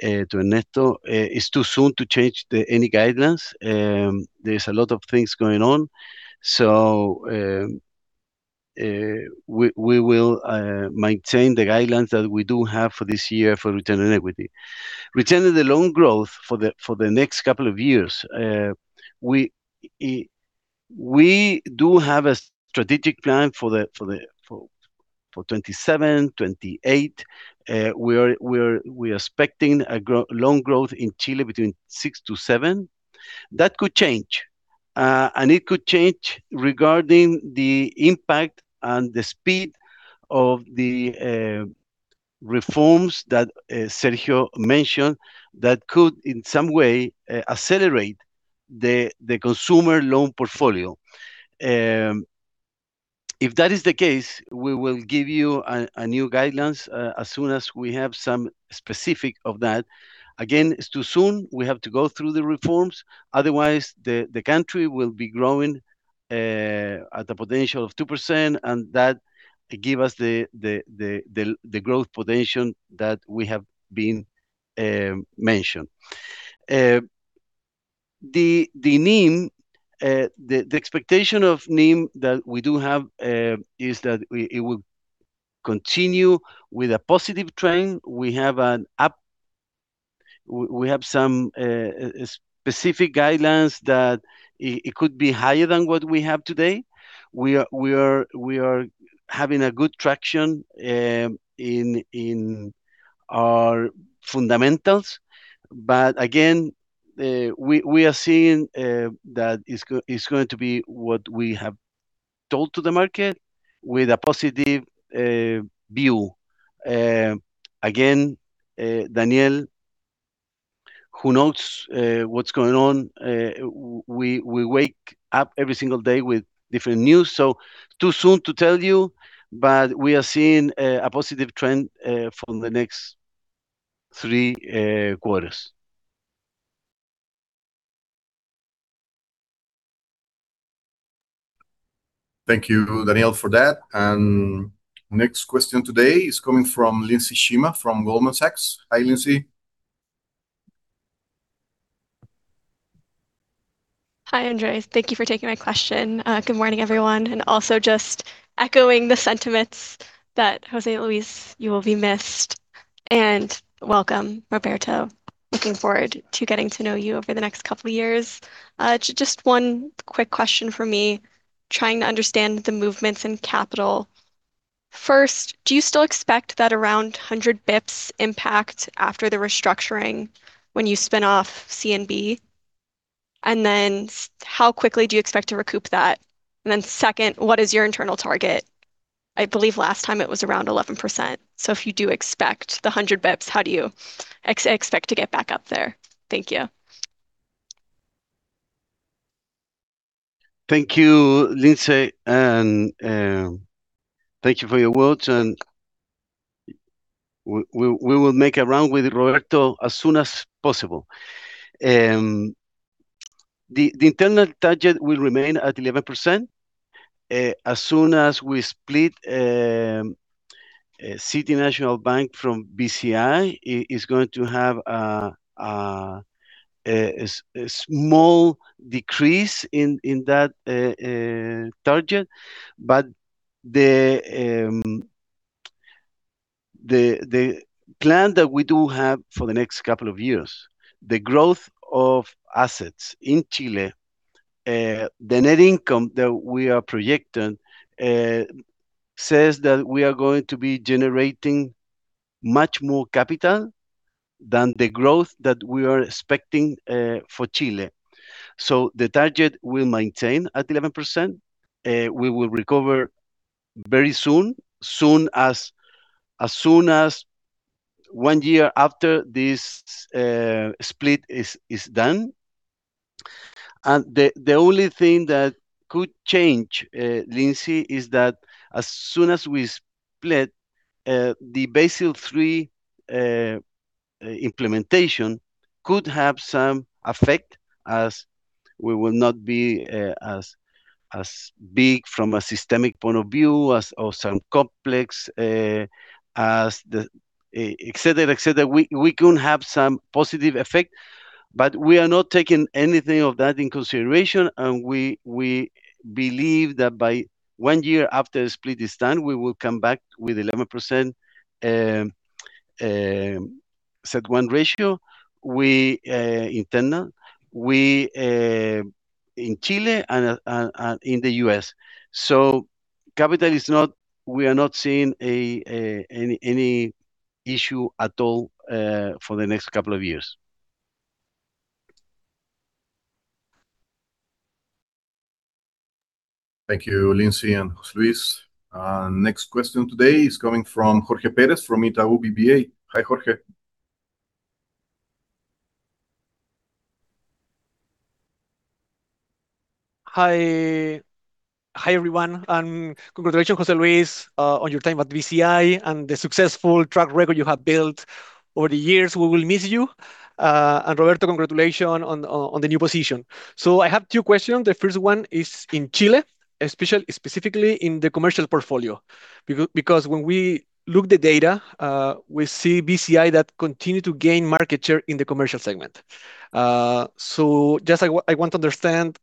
to Ernesto. It's too soon to change any guidelines. There's a lot of things going on. We will maintain the guidelines that we do have for this year for return on equity. Regarding the loan growth for the next couple of years, we do have a strategic plan for 2027, 2028. We are expecting loan growth in Chile between 6%-7%. That could change, and it could change regarding the impact and the speed of the reforms that Sergio mentioned that could in some way accelerate the consumer loan portfolio. If that is the case, we will give you a new guidelines as soon as we have some specific of that. Again, it's too soon. We have to go through the reforms, otherwise the country will be growing at a potential of 2%, and that give us the growth potential that we have been mentioning. The expectation of NIM that we do have is that it will continue with a positive trend. We have some specific guidelines that it could be higher than what we have today. We are having a good traction in our fundamentals. Again, we are seeing that it's going to be what we have told to the market with a positive view. Again, Daniel, who knows what's going on. We wake up every single day with different news. Too soon to tell you, but we are seeing a positive trend for the next three quarters. Thank you, Daniel, for that. Next question today is coming from Lindsay Sharma from Goldman Sachs. Hi, Lindsay. Hi, Andrés. Thank you for taking my question. Good morning, everyone. Also, just echoing the sentiments that José Luis, you will be missed, and welcome, Roberto. Looking forward to getting to know you over the next couple of years. Just one quick question for me, trying to understand the movements in capital. First, do you still expect that around 100 basis points impact after the restructuring when you spin off CNB? And then how quickly do you expect to recoup that? And then second, what is your internal target? I believe last time it was around 11%. So if you do expect the 100 basis points, how do you expect to get back up there? Thank you. Thank you, Lindsay, and thank you for your words, and we will make a round with Roberto as soon as possible. The internal target will remain at 11%. As soon as we split City National Bank from BCI, it is going to have a small decrease in that target. The plan that we do have for the next couple of years, the growth of assets in Chile, the net income that we are projecting, says that we are going to be generating much more capital than the growth that we are expecting for Chile. The target will maintain at 11%. We will recover very soon, as soon as one year after this split is done. The only thing that could change, Lindsay, is that as soon as we split, the Basel III implementation could have some effect as we will not be as big from a systemic point of view as, or as complex as the, et cetera. We could have some positive effect, but we are not taking anything of that in consideration, and we believe that by one year after the split is done, we will come back with 11% CET1 ratio. We in Peru, we in Chile and in the U.S. So capital is not an issue. We are not seeing any issue at all for the next couple of years. Thank you, Lindsay and José Luis. Next question today is coming from Jorge Pérez from Itaú BBA. Hi, Jorge. Hi. Hi, everyone, and congratulations, José Luis, on your time at BCI and the successful track record you have built over the years. We will miss you. Roberto, congratulations on the new position. I have two questions. The first one is in Chile, specifically in the commercial portfolio, because when we look at the data, we see BCI that continue to gain market share in the commercial segment. I just want to understand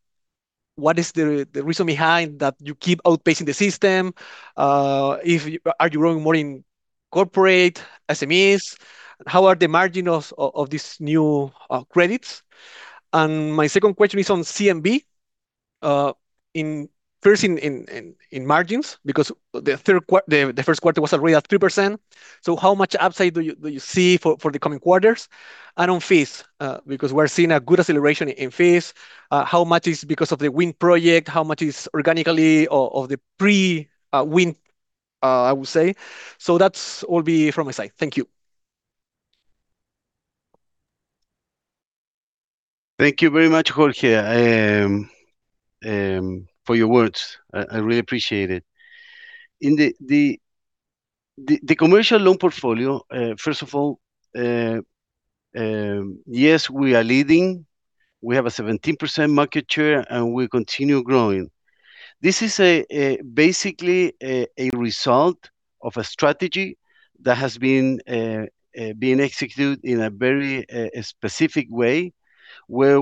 what is the reason behind that you keep outpacing the system. Are you growing more in corporate, SMEs? How are the margin of these new credits? My second question is on CNB, in margins, because the first quarter was already at 3%. How much upside do you see for the coming quarters? On fees, because we're seeing a good acceleration in fees. How much is because of the Project Win? How much is organically or the pre-Project Win, I would say? That's all from my side. Thank you. Thank you very much, Jorge, for your words. I really appreciate it. In the commercial loan portfolio, first of all, yes, we are leading. We have a 17% market share, and we continue growing. This is basically a result of a strategy that has been being executed in a very specific way, where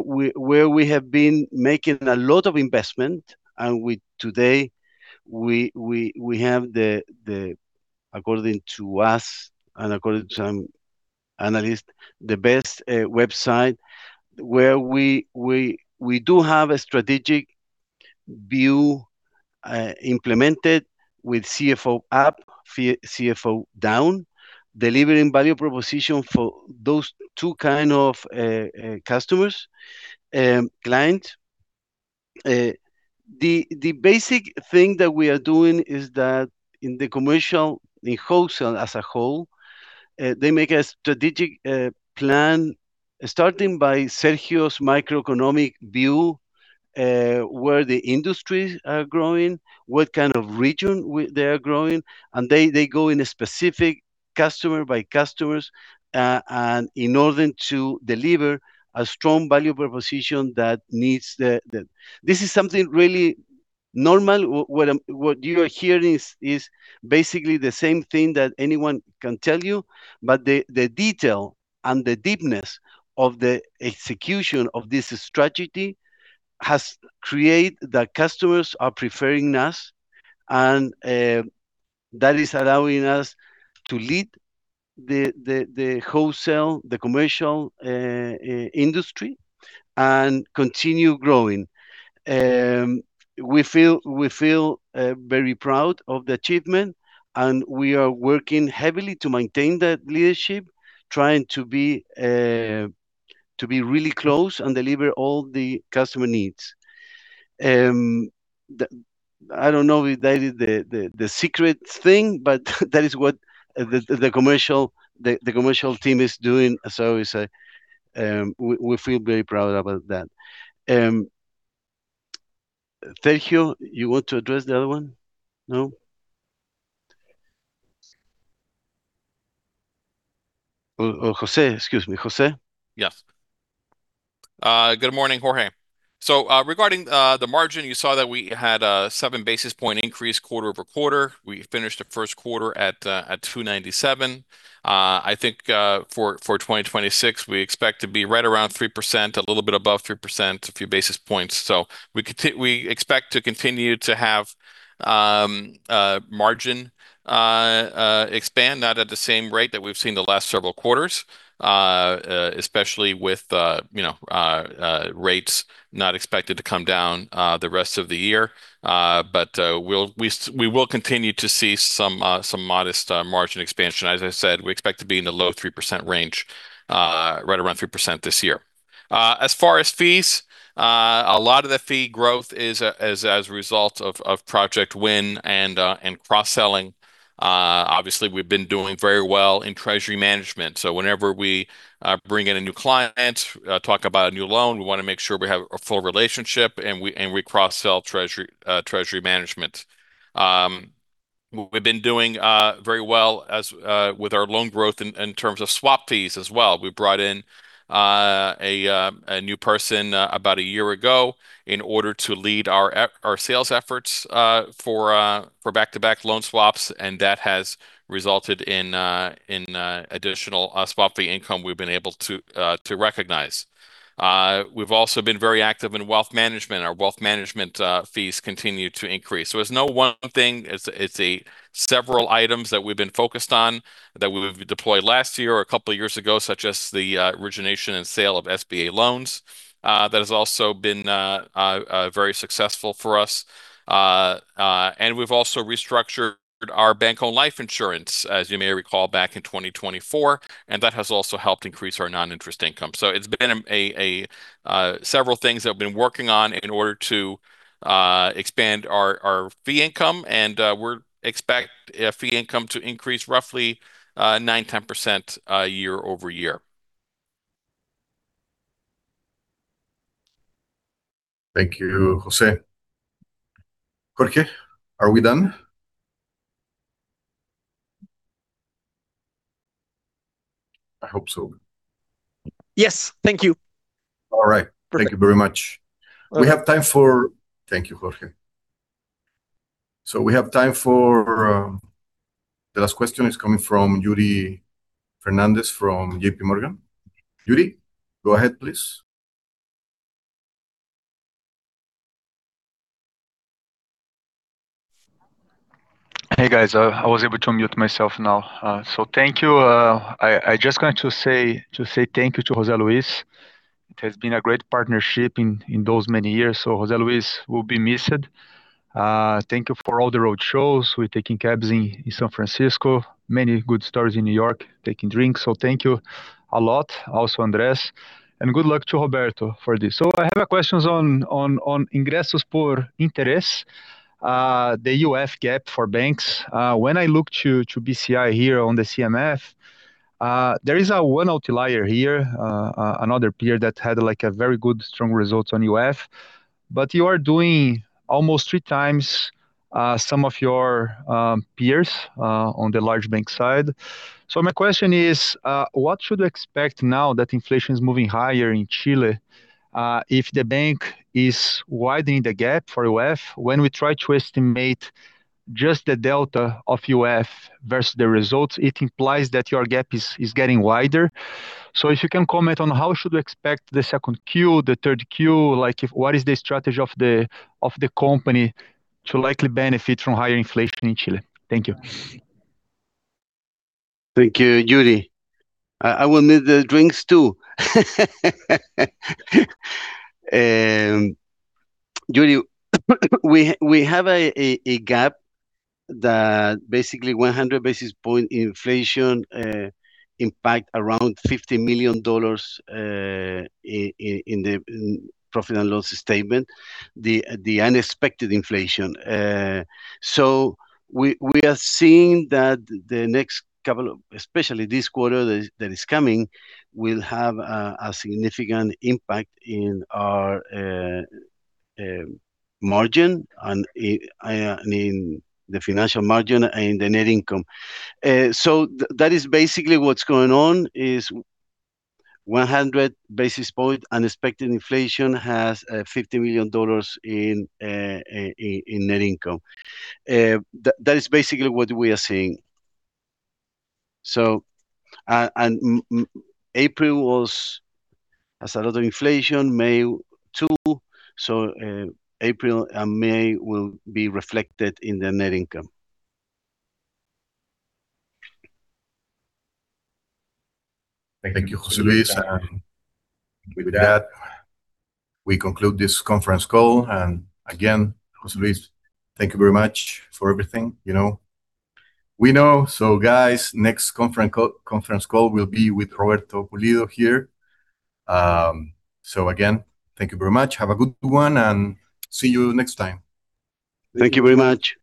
we have been making a lot of investment, and we today, we have the, according to us and according to some analysts, the best website where we do have a strategic view implemented with CFO up, CFO down, delivering value proposition for those two kind of customers, clients. The basic thing that we are doing is that in the commercial, in wholesale as a whole, they make a strategic plan starting by Sergio's microeconomic view, where the industries are growing, what kind of region they are growing, and they go in a specific customer by customers, and in order to deliver a strong value proposition that meets the. This is something really normal. What you are hearing is basically the same thing that anyone can tell you, but the detail and the deepness of the execution of this strategy has create that customers are preferring us, and that is allowing us to lead the wholesale, the commercial industry and continue growing. We feel very proud of the achievement. We are working heavily to maintain that leadership, trying to be really close and deliver all the customer needs. I don't know if that is the secret thing, but that is what the commercial team is doing. It's, we feel very proud about that. Sergio, you want to address the other one? No? Or Jose. Excuse me, Jose? Yes. Good morning, Jorge. Regarding the margin, you saw that we had a 7 basis point increase quarter-over-quarter. We finished the first quarter at 2.97%. I think for 2026, we expect to be right around 3%, a little bit above 3%, a few basis points. We expect to continue to have margin expand, not at the same rate that we've seen the last several quarters, especially with, you know, rates not expected to come down the rest of the year. We'll, we will continue to see some modest margin expansion. As I said, we expect to be in the low 3% range, right around 3% this year. As far as fees, a lot of the fee growth is as a result of Project Win and cross-selling. Obviously we've been doing very well in Treasury management. Whenever we bring in a new client, talk about a new loan, we wanna make sure we have a full relationship, and we cross-sell Treasury management. We've been doing very well with our loan growth in terms of swap fees as well. We brought in a new person about a year ago in order to lead our sales efforts for back-to-back loan swaps, and that has resulted in additional swap fee income we've been able to recognize. We've also been very active in wealth management. Our wealth management fees continue to increase. It's no one thing, it's a several items that we've been focused on that we've deployed last year or a couple of years ago, such as the origination and sale of SBA loans, that has also been very successful for us. We've also restructured our bank-owned life insurance, as you may recall, back in 2024, and that has also helped increase our non-interest income. It's been a several things that we've been working on in order to expand our fee income and we're expect fee income to increase roughly 9%-10% year-over-year. Thank you, Jose. Jorge, are we done? I hope so. Yes. Thank you. All right. Perfect. Thank you very much. We have time for Thank you, Jorge. We have time for The last question is coming from Yuri Fernandes from JPMorgan. Yuri, go ahead, please. Hey, guys. I was able to unmute myself now. Thank you. I just going to say thank you to José Luis. It has been a great partnership in those many years. José Luis will be missed. Thank you for all the road shows, we're taking cabs in San Francisco. Many good stories in New York, taking drinks. Thank you a lot. Also Andrés, good luck to Roberto for this. I have a questions on ingresos por intereses, the UF gap for banks. When I look to BCI here on the CMF, there is a one outlier here, another peer that had, like, a very good strong results on UF, but you are doing almost three times some of your peers on the large bank side. My question is, what should we expect now that inflation is moving higher in Chile, if the bank is widening the gap for UF? When we try to estimate just the delta of UF versus the results, it implies that your gap is getting wider. If you can comment on how should we expect the second Q, the third Q, what is the strategy of the company to likely benefit from higher inflation in Chile? Thank you. Thank you, Yuri. I will miss the drinks too. Yuri, we have a gap that basically 100 basis point inflation impact around $50 million in the profit and loss statement, the unexpected inflation. We are seeing that the next couple of especially this quarter that is coming will have a significant impact in our margin and I mean the financial margin and the net income. That is basically what's going on, is 100 basis point unexpected inflation has $50 million in net income. That is basically what we are seeing. April has a lot of inflation, May too, so April and May will be reflected in the net income. Thank you, José Luis. With that, we conclude this conference call. Again, José Luis, thank you very much for everything. You know, we know. Guys, next conference call will be with Roberto Pulido here. Again, thank you very much. Have a good one, and see you next time. Thank you very much.